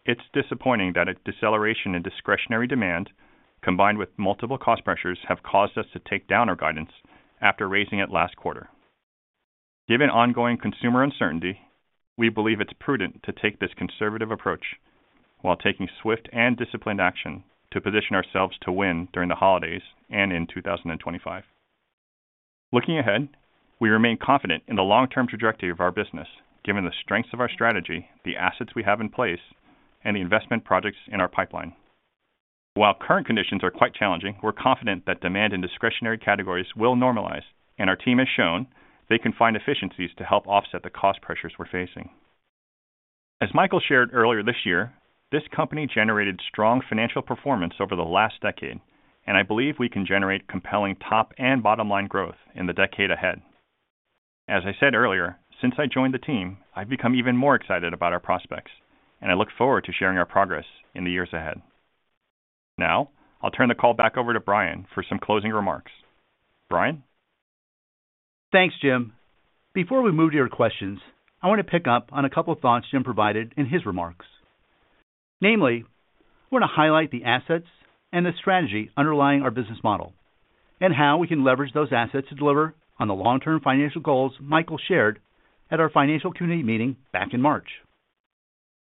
[SPEAKER 6] it's disappointing that a deceleration in discretionary demand, combined with multiple cost pressures, has caused us to take down our guidance after raising it last quarter. Given ongoing consumer uncertainty, we believe it's prudent to take this conservative approach while taking swift and disciplined action to position ourselves to win during the holidays and in 2025. Looking ahead, we remain confident in the long-term trajectory of our business, given the strengths of our strategy, the assets we have in place, and the investment projects in our pipeline. While current conditions are quite challenging, we're confident that demand in discretionary categories will normalize, and our team has shown they can find efficiencies to help offset the cost pressures we're facing. As Michael shared earlier this year, this company generated strong financial performance over the last decade, and I believe we can generate compelling top and bottom-line growth in the decade ahead. As I said earlier, since I joined the team, I've become even more excited about our prospects, and I look forward to sharing our progress in the years ahead. Now I'll turn the call back over to Brian for some closing remarks. Brian?
[SPEAKER 3] Thanks, Jim. Before we move to your questions, I want to pick up on a couple of thoughts Jim provided in his remarks. Namely, I want to highlight the assets and the strategy underlying our business model and how we can leverage those assets to deliver on the long-term financial goals Michael shared at our financial community meeting back in March.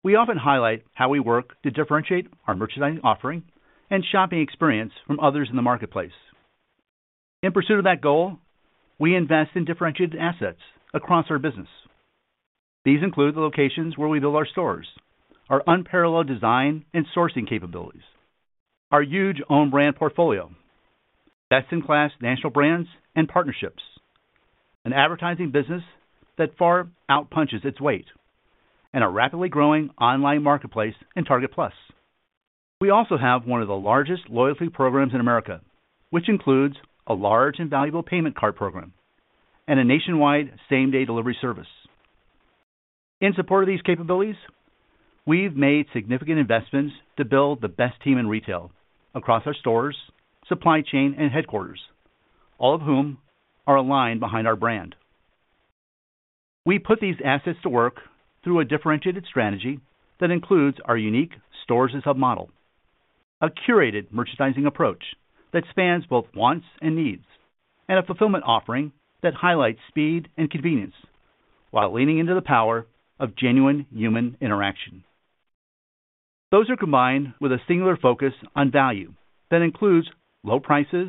[SPEAKER 3] We often highlight how we work to differentiate our merchandising offering and shopping experience from others in the marketplace. In pursuit of that goal, we invest in differentiated assets across our business. These include the locations where we build our stores, our unparalleled design and sourcing capabilities, our huge own-brand portfolio, best-in-class national brands and partnerships, an advertising business that far outpunches its weight, and a rapidly growing online marketplace in Target Plus. We also have one of the largest loyalty programs in America, which includes a large and valuable payment card program and a nationwide same-day delivery service. In support of these capabilities, we've made significant investments to build the best team in retail across our stores, supply chain, and headquarters, all of whom are aligned behind our brand. We put these assets to work through a differentiated strategy that includes our unique stores as hub model, a curated merchandising approach that spans both wants and needs, and a fulfillment offering that highlights speed and convenience while leaning into the power of genuine human interaction. Those are combined with a singular focus on value that includes low prices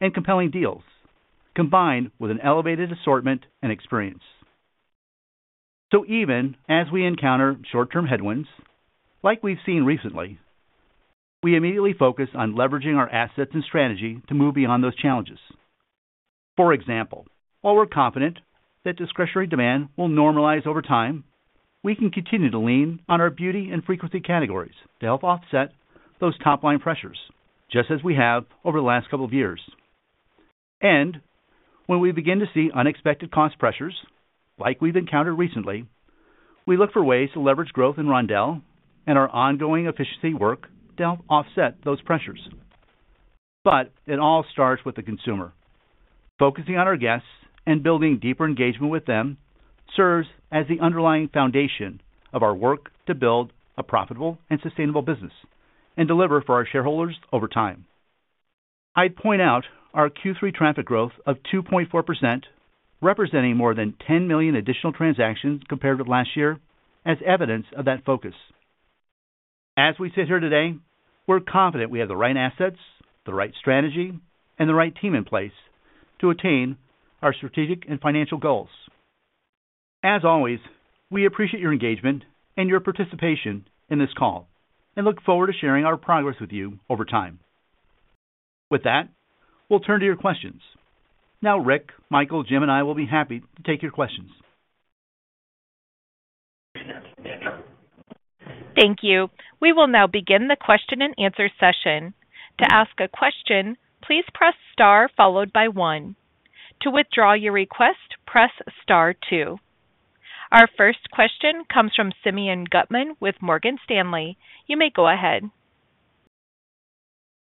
[SPEAKER 3] and compelling deals, combined with an elevated assortment and experience. So even as we encounter short-term headwinds, like we've seen recently, we immediately focus on leveraging our assets and strategy to move beyond those challenges. For example, while we're confident that discretionary demand will normalize over time, we can continue to lean on our beauty and frequency categories to help offset those top-line pressures, just as we have over the last couple of years. And when we begin to see unexpected cost pressures, like we've encountered recently, we look for ways to leverage growth in Roundel and our ongoing efficiency work to help offset those pressures. But it all starts with the consumer. Focusing on our guests and building deeper engagement with them serves as the underlying foundation of our work to build a profitable and sustainable business and deliver for our shareholders over time. I'd point out our Q3 traffic growth of 2.4%, representing more than 10 million additional transactions compared with last year, as evidence of that focus. As we sit here today, we're confident we have the right assets, the right strategy, and the right team in place to attain our strategic and financial goals. As always, we appreciate your engagement and your participation in this call and look forward to sharing our progress with you over time. With that, we'll turn to your questions. Now Rick, Michael, Jim, and I will be happy to take your questions.
[SPEAKER 1] Thank you. We will now begin the question-and-answer session. To ask a question, please press star followed by one. To withdraw your request, press star two. Our first question comes from Simeon Gutman with Morgan Stanley. You may go ahead.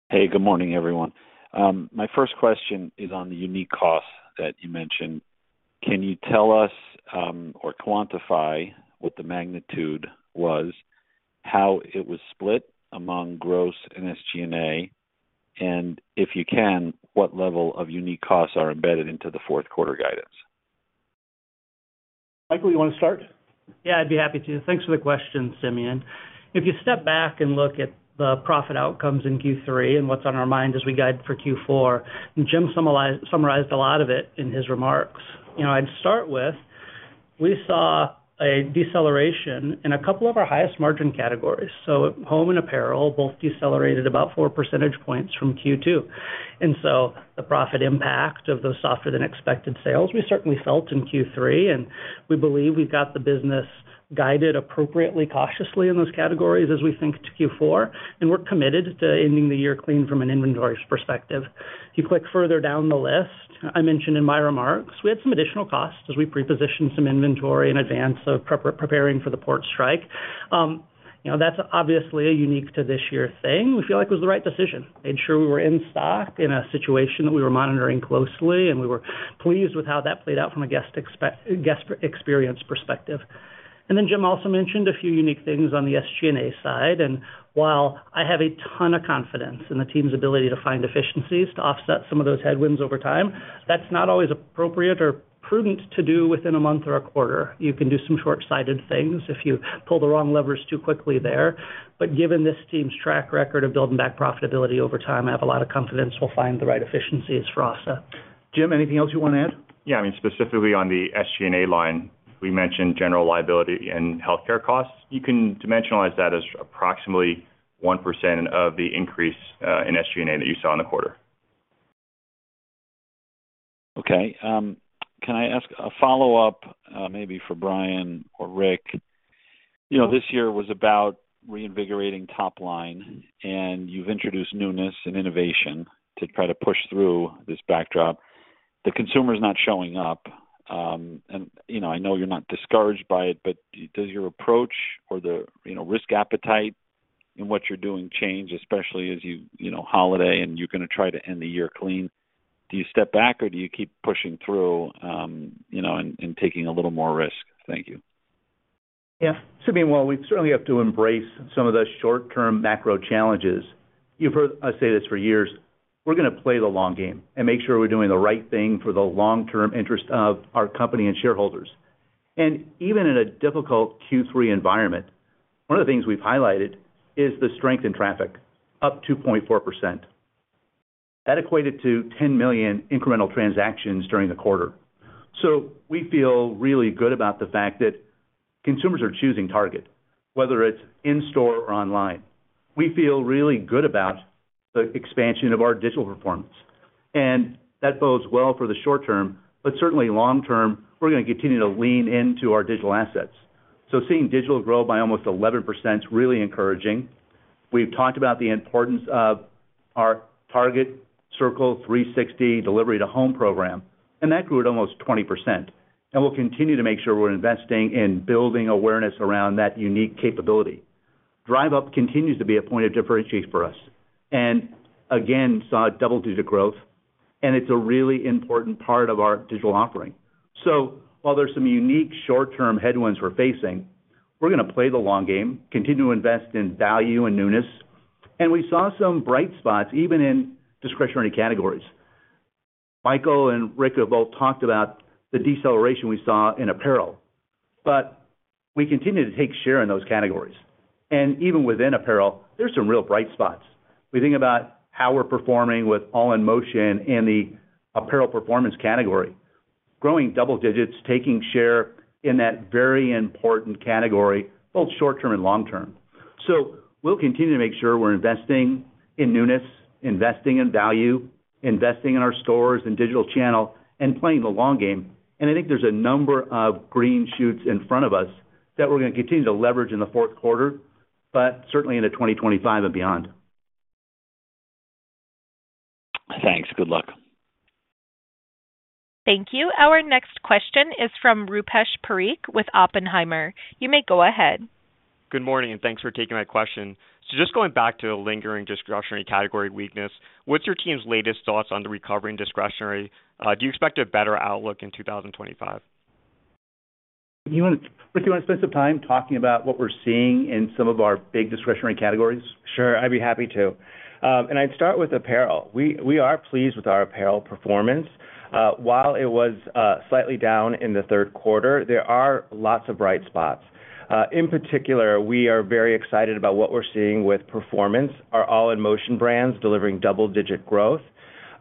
[SPEAKER 7] Hey, good morning, everyone. My first question is on the unique cost that you mentioned. Can you tell us or quantify what the magnitude was, how it was split among gross and SG&A, and if you can, what level of unique costs are embedded into the fourth quarter guidance?
[SPEAKER 3] Michael, you want to start?
[SPEAKER 5] Yeah, I'd be happy to. Thanks for the question, Simeon. If you step back and look at the profit outcomes in Q3 and what's on our mind as we guide for Q4, Jim summarized a lot of it in his remarks. I'd start with, we saw a deceleration in a couple of our highest margin categories. So home and apparel both decelerated about 4 percentage points from Q2. And so the profit impact of those softer-than-expected sales, we certainly felt in Q3, and we believe we've got the business guided appropriately cautiously in those categories as we think to Q4, and we're committed to ending the year clean from an inventory perspective. If you click further down the list, I mentioned in my remarks, we had some additional costs as we prepositioned some inventory in advance of preparing for the port strike. That's obviously a unique to this year thing. We feel like it was the right decision. Made sure we were in stock in a situation that we were monitoring closely, and we were pleased with how that played out from a guest experience perspective, and then Jim also mentioned a few unique things on the SG&A side, and while I have a ton of confidence in the team's ability to find efficiencies to offset some of those headwinds over time, that's not always appropriate or prudent to do within a month or a quarter. You can do some short-sighted things if you pull the wrong levers too quickly there, but given this team's track record of building back profitability over time, I have a lot of confidence we'll find the right efficiencies for us. Jim, anything else you want to add?
[SPEAKER 6] Yeah, I mean, specifically on the SG&A line, we mentioned general liability and healthcare costs. You can dimentsionalize that as approximately 1% of the increase in SG&A that you saw in the quarter.
[SPEAKER 7] Okay. Can I ask a follow-up maybe for Brian or Rick? This year was about reinvigorating top line, and you've introduced newness and innovation to try to push through this backdrop. The consumer is not showing up. And I know you're not discouraged by it, but does your approach or the risk appetite in what you're doing change, especially as we head into holiday and you're going to try to end the year clean? Do you step back or do you keep pushing through and taking a little more risk? Thank you.
[SPEAKER 3] Yeah. Simeon, well, we certainly have to embrace some of the short-term macro challenges. You've heard us say this for years. We're going to play the long game and make sure we're doing the right thing for the long-term interest of our company and shareholders, and even in a difficult Q3 environment, one of the things we've highlighted is the strength in traffic, up 2.4%. That equated to 10 million incremental transactions during the quarter, so we feel really good about the fact that consumers are choosing Target, whether it's in-store or online. We feel really good about the expansion of our digital performance, and that bodes well for the short term, but certainly long term, we're going to continue to lean into our digital assets, so seeing digital grow by almost 11% is really encouraging. We've talked about the importance of our Target Circle 360 delivery to home program, and that grew at almost 20%, and we'll continue to make sure we're investing in building awareness around that unique capability. Drive-up continues to be a point of differentiation for us. And again, saw a double-digit growth, and it's a really important part of our digital offering. So while there's some unique short-term headwinds we're facing, we're going to play the long game, continue to invest in value and newness. And we saw some bright spots even in discretionary categories. Michael and Rick have both talked about the deceleration we saw in apparel, but we continue to take share in those categories. And even within apparel, there's some real bright spots. We think about how we're performing with All in Motion and the apparel performance category, growing double digits, taking share in that very important category, both short-term and long-term. So we'll continue to make sure we're investing in newness, investing in value, investing in our stores and digital channel, and playing the long game. And I think there's a number of green shoots in front of us that we're going to continue to leverage in the fourth quarter, but certainly into 2025 and beyond.
[SPEAKER 7] Thanks. Good luck.
[SPEAKER 1] Thank you. Our next question is from Rupesh Parikh with Oppenheimer. You may go ahead.
[SPEAKER 8] Good morning, and thanks for taking my question. So just going back to the lingering discretionary category weakness, what's your team's latest thoughts on the recovering discretionary? Do you expect a better outlook in 2025?
[SPEAKER 3] Rick, do you want to spend some time talking about what we're seeing in some of our big discretionary categories?
[SPEAKER 4] Sure. I'd be happy to. And I'd start with apparel. We are pleased with our apparel performance. While it was slightly down in the third quarter, there are lots of bright spots. In particular, we are very excited about what we're seeing with performance, our All in Motion brands delivering double-digit growth.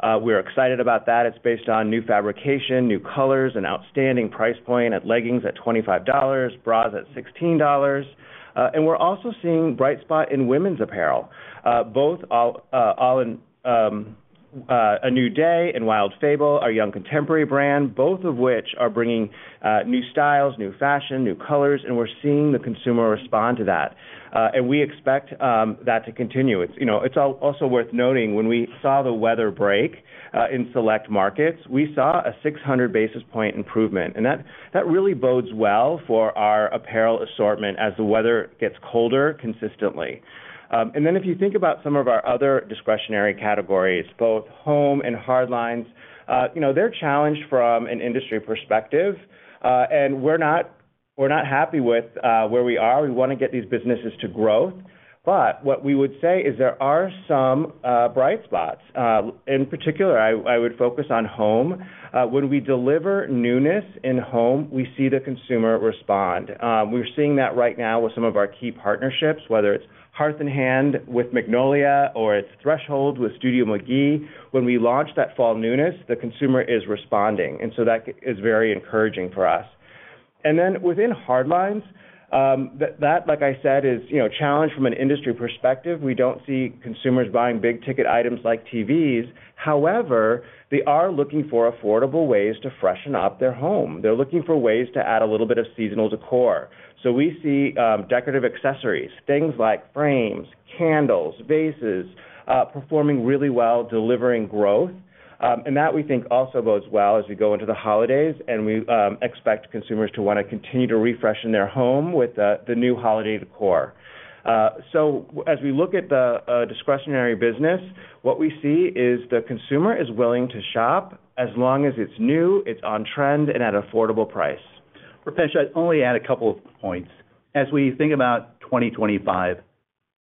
[SPEAKER 4] We're excited about that. It's based on new fabrication, new colors, and outstanding price point at leggings at $25, bras at $16. And we're also seeing a bright spot in women's apparel, both A New Day and Wild Fable, our young contemporary brand, both of which are bringing new styles, new fashion, new colors, and we're seeing the consumer respond to that. And we expect that to continue. It's also worth noting when we saw the weather break in select markets, we saw a 600 basis points improvement. And that really bodes well for our apparel assortment as the weather gets colder consistently. And then if you think about some of our other discretionary categories, both home and hard lines, they're challenged from an industry perspective. And we're not happy with where we are. We want to get these businesses to growth. But what we would say is there are some bright spots. In particular, I would focus on home. When we deliver newness in home, we see the consumer respond. We're seeing that right now with some of our key partnerships, whether it's Hearth & Hand with Magnolia or it's Threshold with Studio McGee. When we launch that fall newness, the consumer is responding. And so that is very encouraging for us. And then within hard lines, that, like I said, is a challenge from an industry perspective. We don't see consumers buying big-ticket items like TVs. However, they are looking for affordable ways to freshen up their home. They're looking for ways to add a little bit of seasonal decor. So we see decorative accessories, things like frames, candles, vases, performing really well, delivering growth. And that, we think, also bodes well as we go into the holidays, and we expect consumers to want to continue to refresh in their home with the new holiday decor. So as we look at the discretionary business, what we see is the consumer is willing to shop as long as it's new, it's on trend, and at an affordable price. Rupesh, I'd only add a couple of points. As we think about 2025,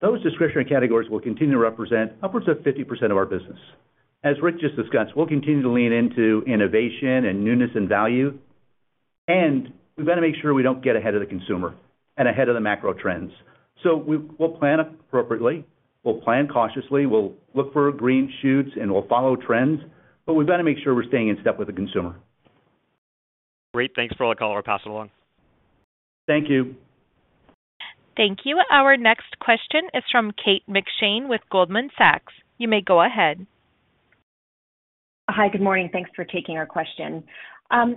[SPEAKER 4] those discretionary categories will continue to represent upwards of 50% of our business. As Rick just discussed, we'll continue to lean into innovation and newness and value. And we've got to make sure we don't get ahead of the consumer and ahead of the macro trends. So we'll plan appropriately. We'll plan cautiously. We'll look for green shoots, and we'll follow trends. But we've got to make sure we're staying in step with the consumer.
[SPEAKER 8] Great. Thanks for all the color. I'll pass it along.
[SPEAKER 4] Thank you.
[SPEAKER 1] Thank you. Our next question is from Kate McShane with Goldman Sachs. You may go ahead.
[SPEAKER 9] Hi, good morning. Thanks for taking our question.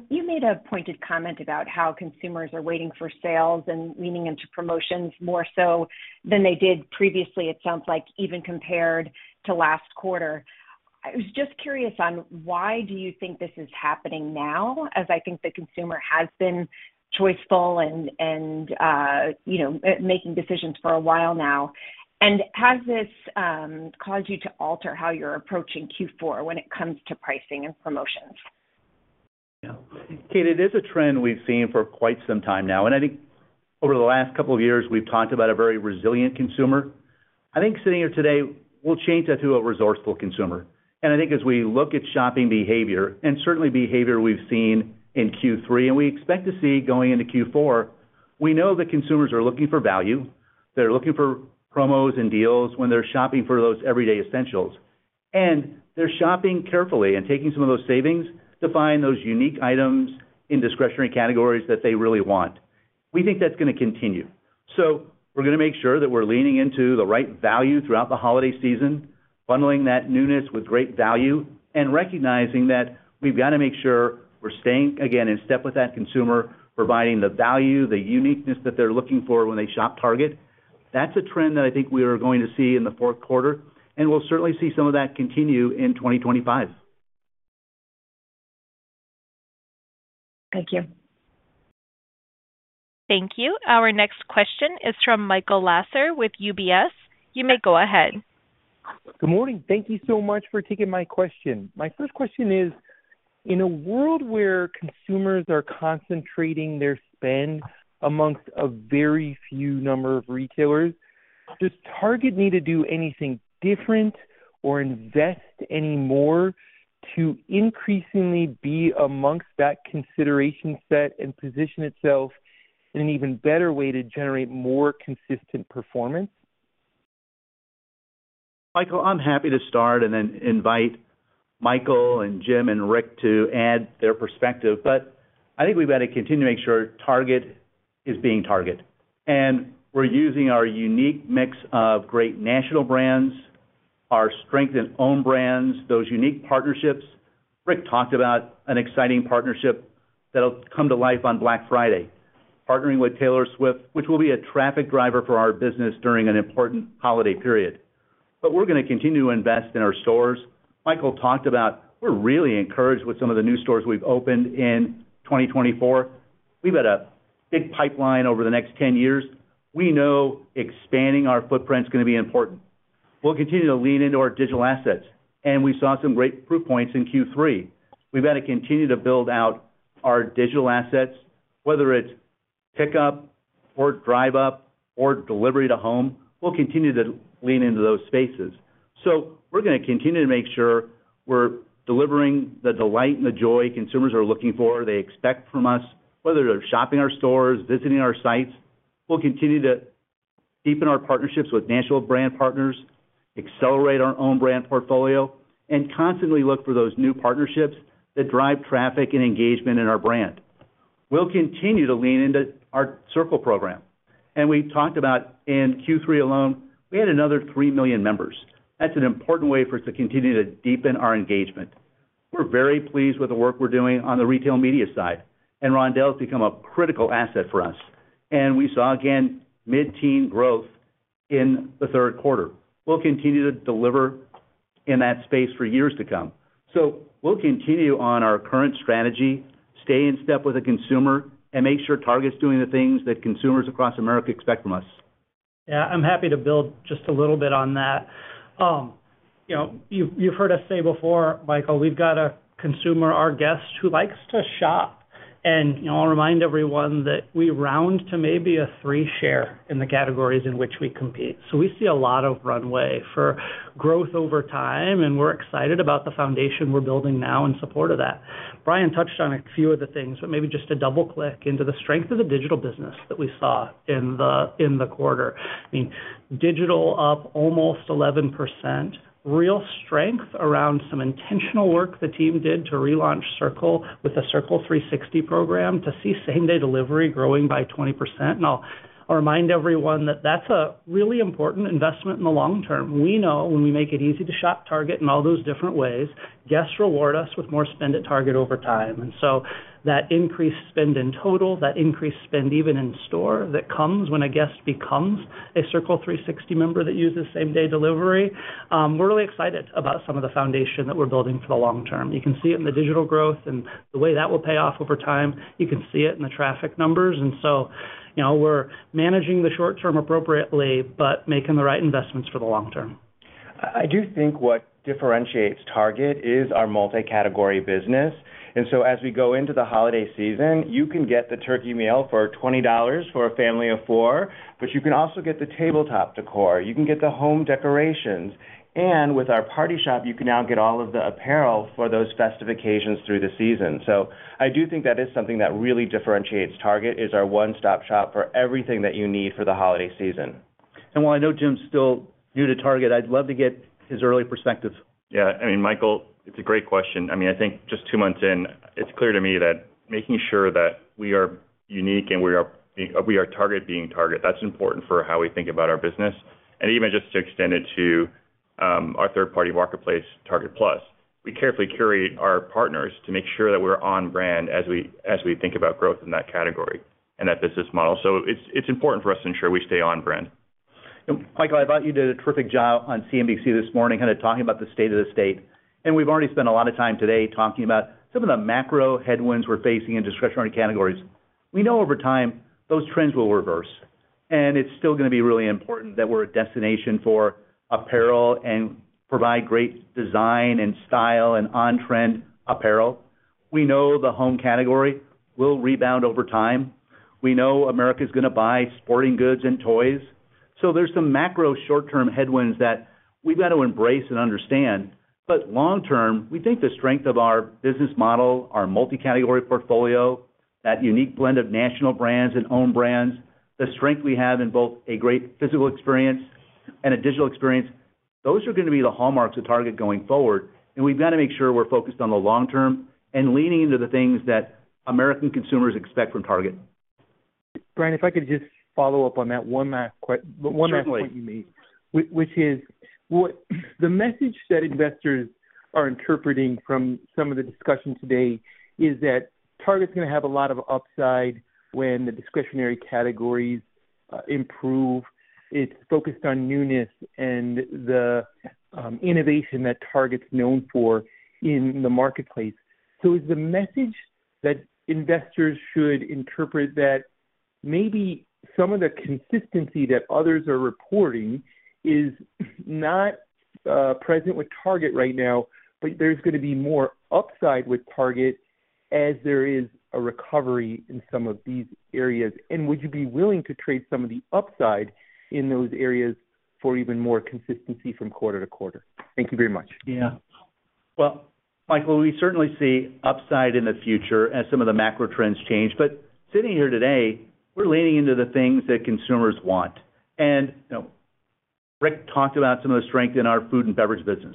[SPEAKER 9] You made a pointed comment about how consumers are waiting for sales and leaning into promotions more so than they did previously, it sounds like, even compared to last quarter. I was just curious on why do you think this is happening now, as I think the consumer has been choiceful and making decisions for a while now, and has this caused you to alter how you're approaching Q4 when it comes to pricing and promotions?
[SPEAKER 3] Yeah. Kate, it is a trend we've seen for quite some time now. I think over the last couple of years, we've talked about a very resilient consumer. I think sitting here today, we'll change that to a resourceful consumer. I think as we look at shopping behavior, and certainly behavior we've seen in Q3, and we expect to see going into Q4, we know that consumers are looking for value. They're looking for promos and deals when they're shopping for those everyday essentials. They're shopping carefully and taking some of those savings to find those unique items in discretionary categories that they really want. We think that's going to continue. So we're going to make sure that we're leaning into the right value throughout the holiday season, bundling that newness with great value, and recognizing that we've got to make sure we're staying, again, in step with that consumer, providing the value, the uniqueness that they're looking for when they shop Target. That's a trend that I think we are going to see in the fourth quarter, and we'll certainly see some of that continue in 2025.
[SPEAKER 9] Thank you.
[SPEAKER 1] Thank you. Our next question is from Michael Lasser with UBS. You may go ahead.
[SPEAKER 10] Good morning. Thank you so much for taking my question. My first question is, in a world where consumers are concentrating their spend among a very few number of retailers, does Target need to do anything different or invest any more to increasingly be among that consideration set and position itself in an even better way to generate more consistent performance?
[SPEAKER 3] Michael, I'm happy to start and then invite Michael and Jim and Rick to add their perspective. But I think we've got to continue to make sure Target is being Target. And we're using our unique mix of great national brands, our strength in own brands, those unique partnerships. Rick talked about an exciting partnership that'll come to life on Black Friday, partnering with Taylor Swift, which will be a traffic driver for our business during an important holiday period. But we're going to continue to invest in our stores. Michael talked about we're really encouraged with some of the new stores we've opened in 2024. We've got a big pipeline over the next 10 years. We know expanding our footprint is going to be important. We'll continue to lean into our digital assets. And we saw some great proof points in Q3. We've got to continue to build out our digital assets, whether it's pickup or drive-up or delivery to home. We'll continue to lean into those spaces. So we're going to continue to make sure we're delivering the delight and the joy consumers are looking for, they expect from us, whether they're shopping our stores, visiting our sites. We'll continue to deepen our partnerships with national brand partners, accelerate our own brand portfolio, and constantly look for those new partnerships that drive traffic and engagement in our brand. We'll continue to lean into our Circle program. And we talked about, in Q3 alone, we had another 3 million members. That's an important way for us to continue to deepen our engagement. We're very pleased with the work we're doing on the retail media side. And Roundel has become a critical asset for us. And we saw, again, mid-teens growth in the third quarter. We'll continue to deliver in that space for years to come. So we'll continue on our current strategy, stay in step with the consumer, and make sure Target's doing the things that consumers across America expect from us.
[SPEAKER 4] Yeah, I'm happy to build just a little bit on that. You've heard us say before, Michael, we've got a consumer, our guest, who likes to shop. And I'll remind everyone that we run to maybe a 3% share in the categories in which we compete. So we see a lot of runway for growth over time, and we're excited about the foundation we're building now in support of that. Brian touched on a few of the things, but maybe just to double-click into the strength of the digital business that we saw in the quarter. I mean, digital up almost 11%, real strength around some intentional work the team did to relaunch Circle with the Circle 360 program to see same-day delivery growing by 20%. And I'll remind everyone that that's a really important investment in the long term. We know when we make it easy to shop Target in all those different ways, guests reward us with more spend at Target over time. And so that increased spend in total, that increased spend even in store that comes when a guest becomes a Circle 360 member that uses same-day delivery, we're really excited about some of the foundation that we're building for the long term. You can see it in the digital growth and the way that will pay off over time. You can see it in the traffic numbers. And so we're managing the short term appropriately, but making the right investments for the long term.
[SPEAKER 5] I do think what differentiates Target is our multi-category business. And so as we go into the holiday season, you can get the turkey meal for $20 for a family of four, but you can also get the tabletop decor. You can get the home decorations. And with our party shop, you can now get all of the apparel for those festive occasions through the season. So, I do think that is something that really differentiates Target is our one-stop shop for everything that you need for the holiday season. And while I know Jim's still new to Target, I'd love to get his early perspective.
[SPEAKER 6] Yeah. I mean, Michael, it's a great question. I mean, I think just two months in, it's clear to me that making sure that we are unique and we are Target being Target, that's important for how we think about our business. And even just to extend it to our third-party marketplace, Target Plus. We carefully curate our partners to make sure that we're on-brand as we think about growth in that category and that business model. So it's important for us to ensure we stay on-brand.
[SPEAKER 3] Michael, I thought you did a terrific job on CNBC this morning kind of talking about the state of the state. We've already spent a lot of time today talking about some of the macro headwinds we're facing in discretionary categories. We know over time those trends will reverse. It's still going to be really important that we're a destination for apparel and provide great design and style and on-trend apparel. We know the home category will rebound over time. We know America is going to buy sporting goods and toys. There's some macro short-term headwinds that we've got to embrace and understand. Long-term, we think the strength of our business model, our multi-category portfolio, that unique blend of national brands and own brands, the strength we have in both a great physical experience and a digital experience, those are going to be the hallmarks of Target going forward. And we've got to make sure we're focused on the long term and leaning into the things that American consumers expect from Target.
[SPEAKER 10] Brian, if I could just follow up on that one last point you made, which is the message that investors are interpreting from some of the discussion today is that Target's going to have a lot of upside when the discretionary categories improve. It's focused on newness and the innovation that Target's known for in the marketplace. So is the message that investors should interpret that maybe some of the consistency that others are reporting is not present with Target right now, but there's going to be more upside with Target as there is a recovery in some of these areas. And would you be willing to trade some of the upside in those areas for even more consistency from quarter to quarter? Thank you very much.
[SPEAKER 3] Yeah. Well, Michael, we certainly see upside in the future as some of the macro trends change. But sitting here today, we're leaning into the things that consumers want. And Rick talked about some of the strength in our food and beverage business,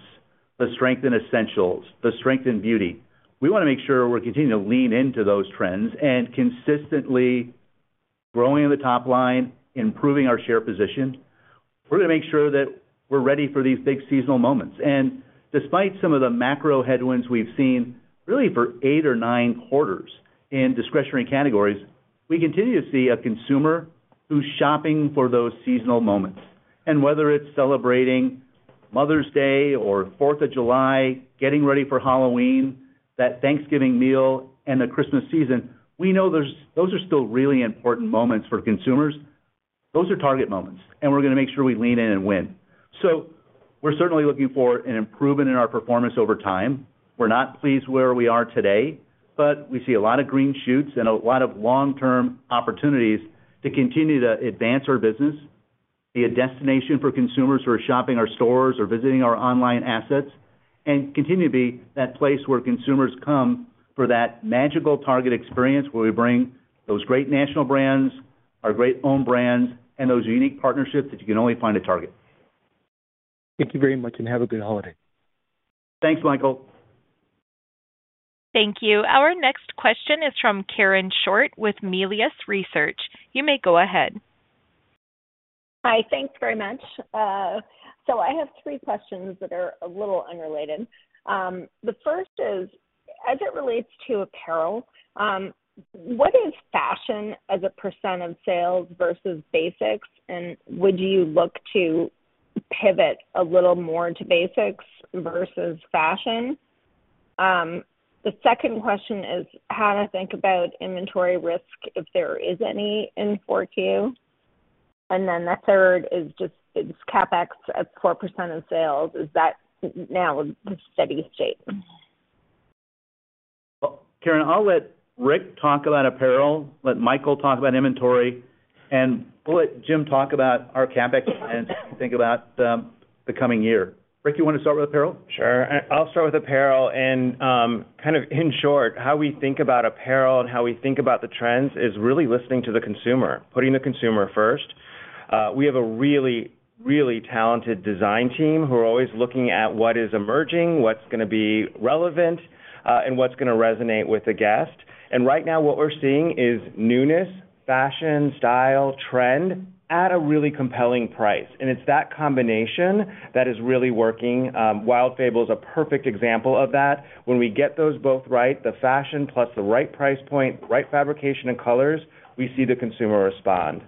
[SPEAKER 3] the strength in essentials, the strength in beauty. We want to make sure we're continuing to lean into those trends and consistently growing in the top line, improving our share position. We're going to make sure that we're ready for these big seasonal moments. And despite some of the macro headwinds we've seen really for eight or nine quarters in discretionary categories, we continue to see a consumer who's shopping for those seasonal moments. And whether it's celebrating Mother's Day or 4th of July, getting ready for Halloween, that Thanksgiving meal, and the Christmas season, we know those are still really important moments for consumers. Those are Target moments, and we're going to make sure we lean in and win, so we're certainly looking for an improvement in our performance over time. We're not pleased where we are today, but we see a lot of green shoots and a lot of long-term opportunities to continue to advance our business, be a destination for consumers who are shopping our stores or visiting our online assets, and continue to be that place where consumers come for that magical Target experience where we bring those great national brands, our great own brands, and those unique partnerships that you can only find at Target.
[SPEAKER 10] Thank you very much and have a good holiday.
[SPEAKER 3] Thanks, Michael.
[SPEAKER 1] Thank you. Our next question is from Karen Short with Melius Research. You may go ahead.
[SPEAKER 11] Hi, thanks very much, so I have three questions that are a little unrelated. The first is, as it relates to apparel, what is fashion as a % of sales versus basics? And would you look to pivot a little more to basics versus fashion? The second question is how to think about inventory risk, if there is any in 4Q. And then the third is just CapEx at 4% of sales. Is that now the steady state?
[SPEAKER 3] Karen, I'll let Rick talk about apparel, let Michael talk about inventory, and we'll let Jim talk about our CapEx and think about the coming year. Rick, you want to start with apparel?
[SPEAKER 4] Sure. I'll start with apparel. And kind of in short, how we think about apparel and how we think about the trends is really listening to the consumer, putting the consumer first. We have a really, really talented design team who are always looking at what is emerging, what's going to be relevant, and what's going to resonate with the guest. And right now, what we're seeing is newness, fashion, style, trend at a really compelling price. And it's that combination that is really working. Wild Fable is a perfect example of that. When we get those both right, the fashion plus the right price point, right fabrication and colors, we see the consumer respond.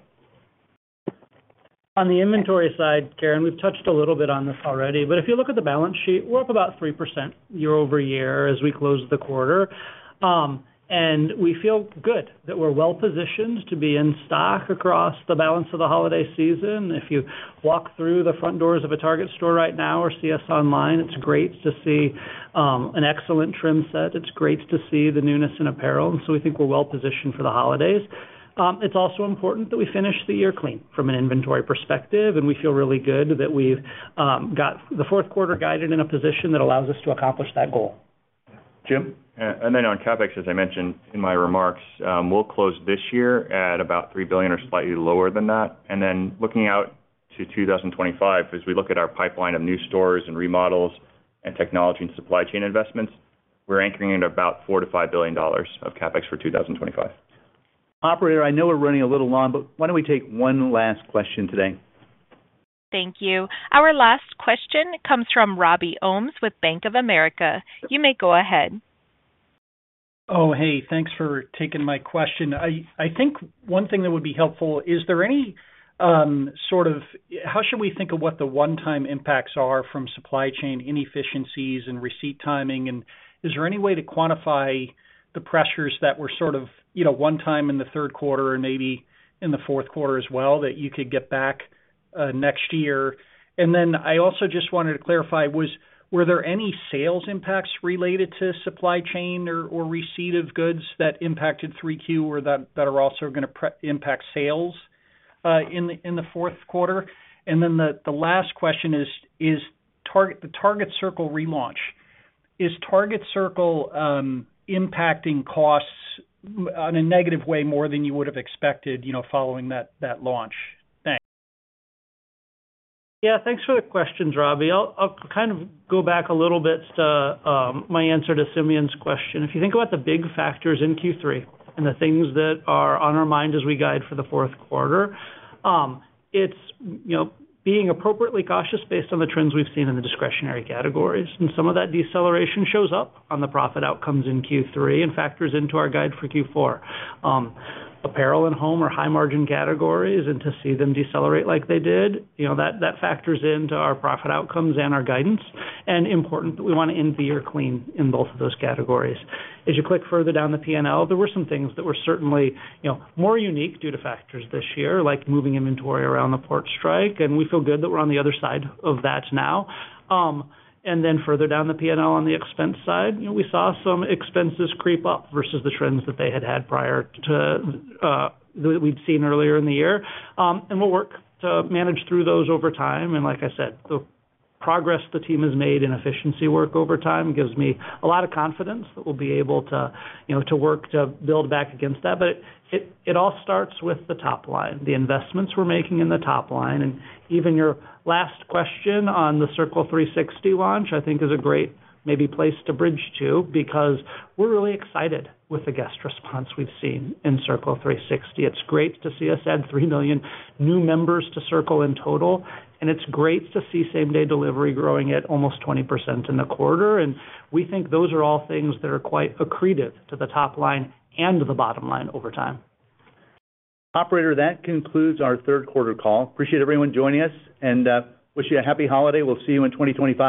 [SPEAKER 5] On the inventory side, Karen, we've touched a little bit on this already. But if you look at the balance sheet, we're up about 3% year over year as we close the quarter. And we feel good that we're well-positioned to be in stock across the balance of the holiday season. If you walk through the front doors of a Target store right now or see us online, it's great to see an excellent trim set. It's great to see the newness in apparel. And so we think we're well-positioned for the holidays. It's also important that we finish the year clean from an inventory perspective. And we feel really good that we've got the fourth quarter guided in a position that allows us to accomplish that goal.
[SPEAKER 3] Jim?
[SPEAKER 6] And then on CapEx, as I mentioned in my remarks, we'll close this year at about $3 billion or slightly lower than that. And then looking out to 2025, as we look at our pipeline of new stores and remodels and technology and supply chain investments, we're anchoring at about $4-$5 billion dollars of CapEx for 2025.
[SPEAKER 3] Operator, I know we're running a little long, but why don't we take one last question today?
[SPEAKER 1] Thank you. Our last question comes from Robbie Ohmes with Bank of America. You may go ahead.
[SPEAKER 12] Oh, hey, thanks for taking my question. I think one thing that would be helpful, is there any sort of how should we think of what the one-time impacts are from supply chain, inefficiencies, and receipt timing? And is there any way to quantify the pressures that were sort of one time in the third quarter and maybe in the fourth quarter as well that you could get back next year? And then I also just wanted to clarify, were there any sales impacts related to supply chain or receipt of goods that impacted 3Q or that are also going to impact sales in the fourth quarter? And then the last question is, the Target Circle relaunch, is Target Circle impacting costs in a negative way more than you would have expected following that launch?
[SPEAKER 5] Yeah, thanks for the questions, Robbie. I'll kind of go back a little bit to my answer to Simeon's question. If you think about the big factors in Q3 and the things that are on our mind as we guide for the fourth quarter, it's being appropriately cautious based on the trends we've seen in the discretionary categories. And some of that deceleration shows up on the profit outcomes in Q3 and factors into our guide for Q4. Apparel and home are high-margin categories and to see them decelerate like they did, that factors into our profit outcomes and our guidance. And important that we want to end the year clean in both of those categories. As you click further down the P&L, there were some things that were certainly more unique due to factors this year, like moving inventory around the port strike. And we feel good that we're on the other side of that now. And then further down the P&L on the expense side, we saw some expenses creep up versus the trends that they had had prior to that we'd seen earlier in the year. And we'll work to manage through those over time. And like I said, the progress the team has made in efficiency work over time gives me a lot of confidence that we'll be able to work to build back against that. But it all starts with the top line, the investments we're making in the top line. And even your last question on the Circle 360 launch, I think, is a great maybe place to bridge to because we're really excited with the guest response we've seen in Circle 360. It's great to see us add 3 million new members to Circle in total. And it's great to see same-day delivery growing at almost 20% in the quarter. And we think those are all things that are quite accretive to the top line and the bottom line over time.
[SPEAKER 3] Operator, that concludes our third quarter call. Appreciate everyone joining us and wish you a happy holiday. We'll see you in 2025.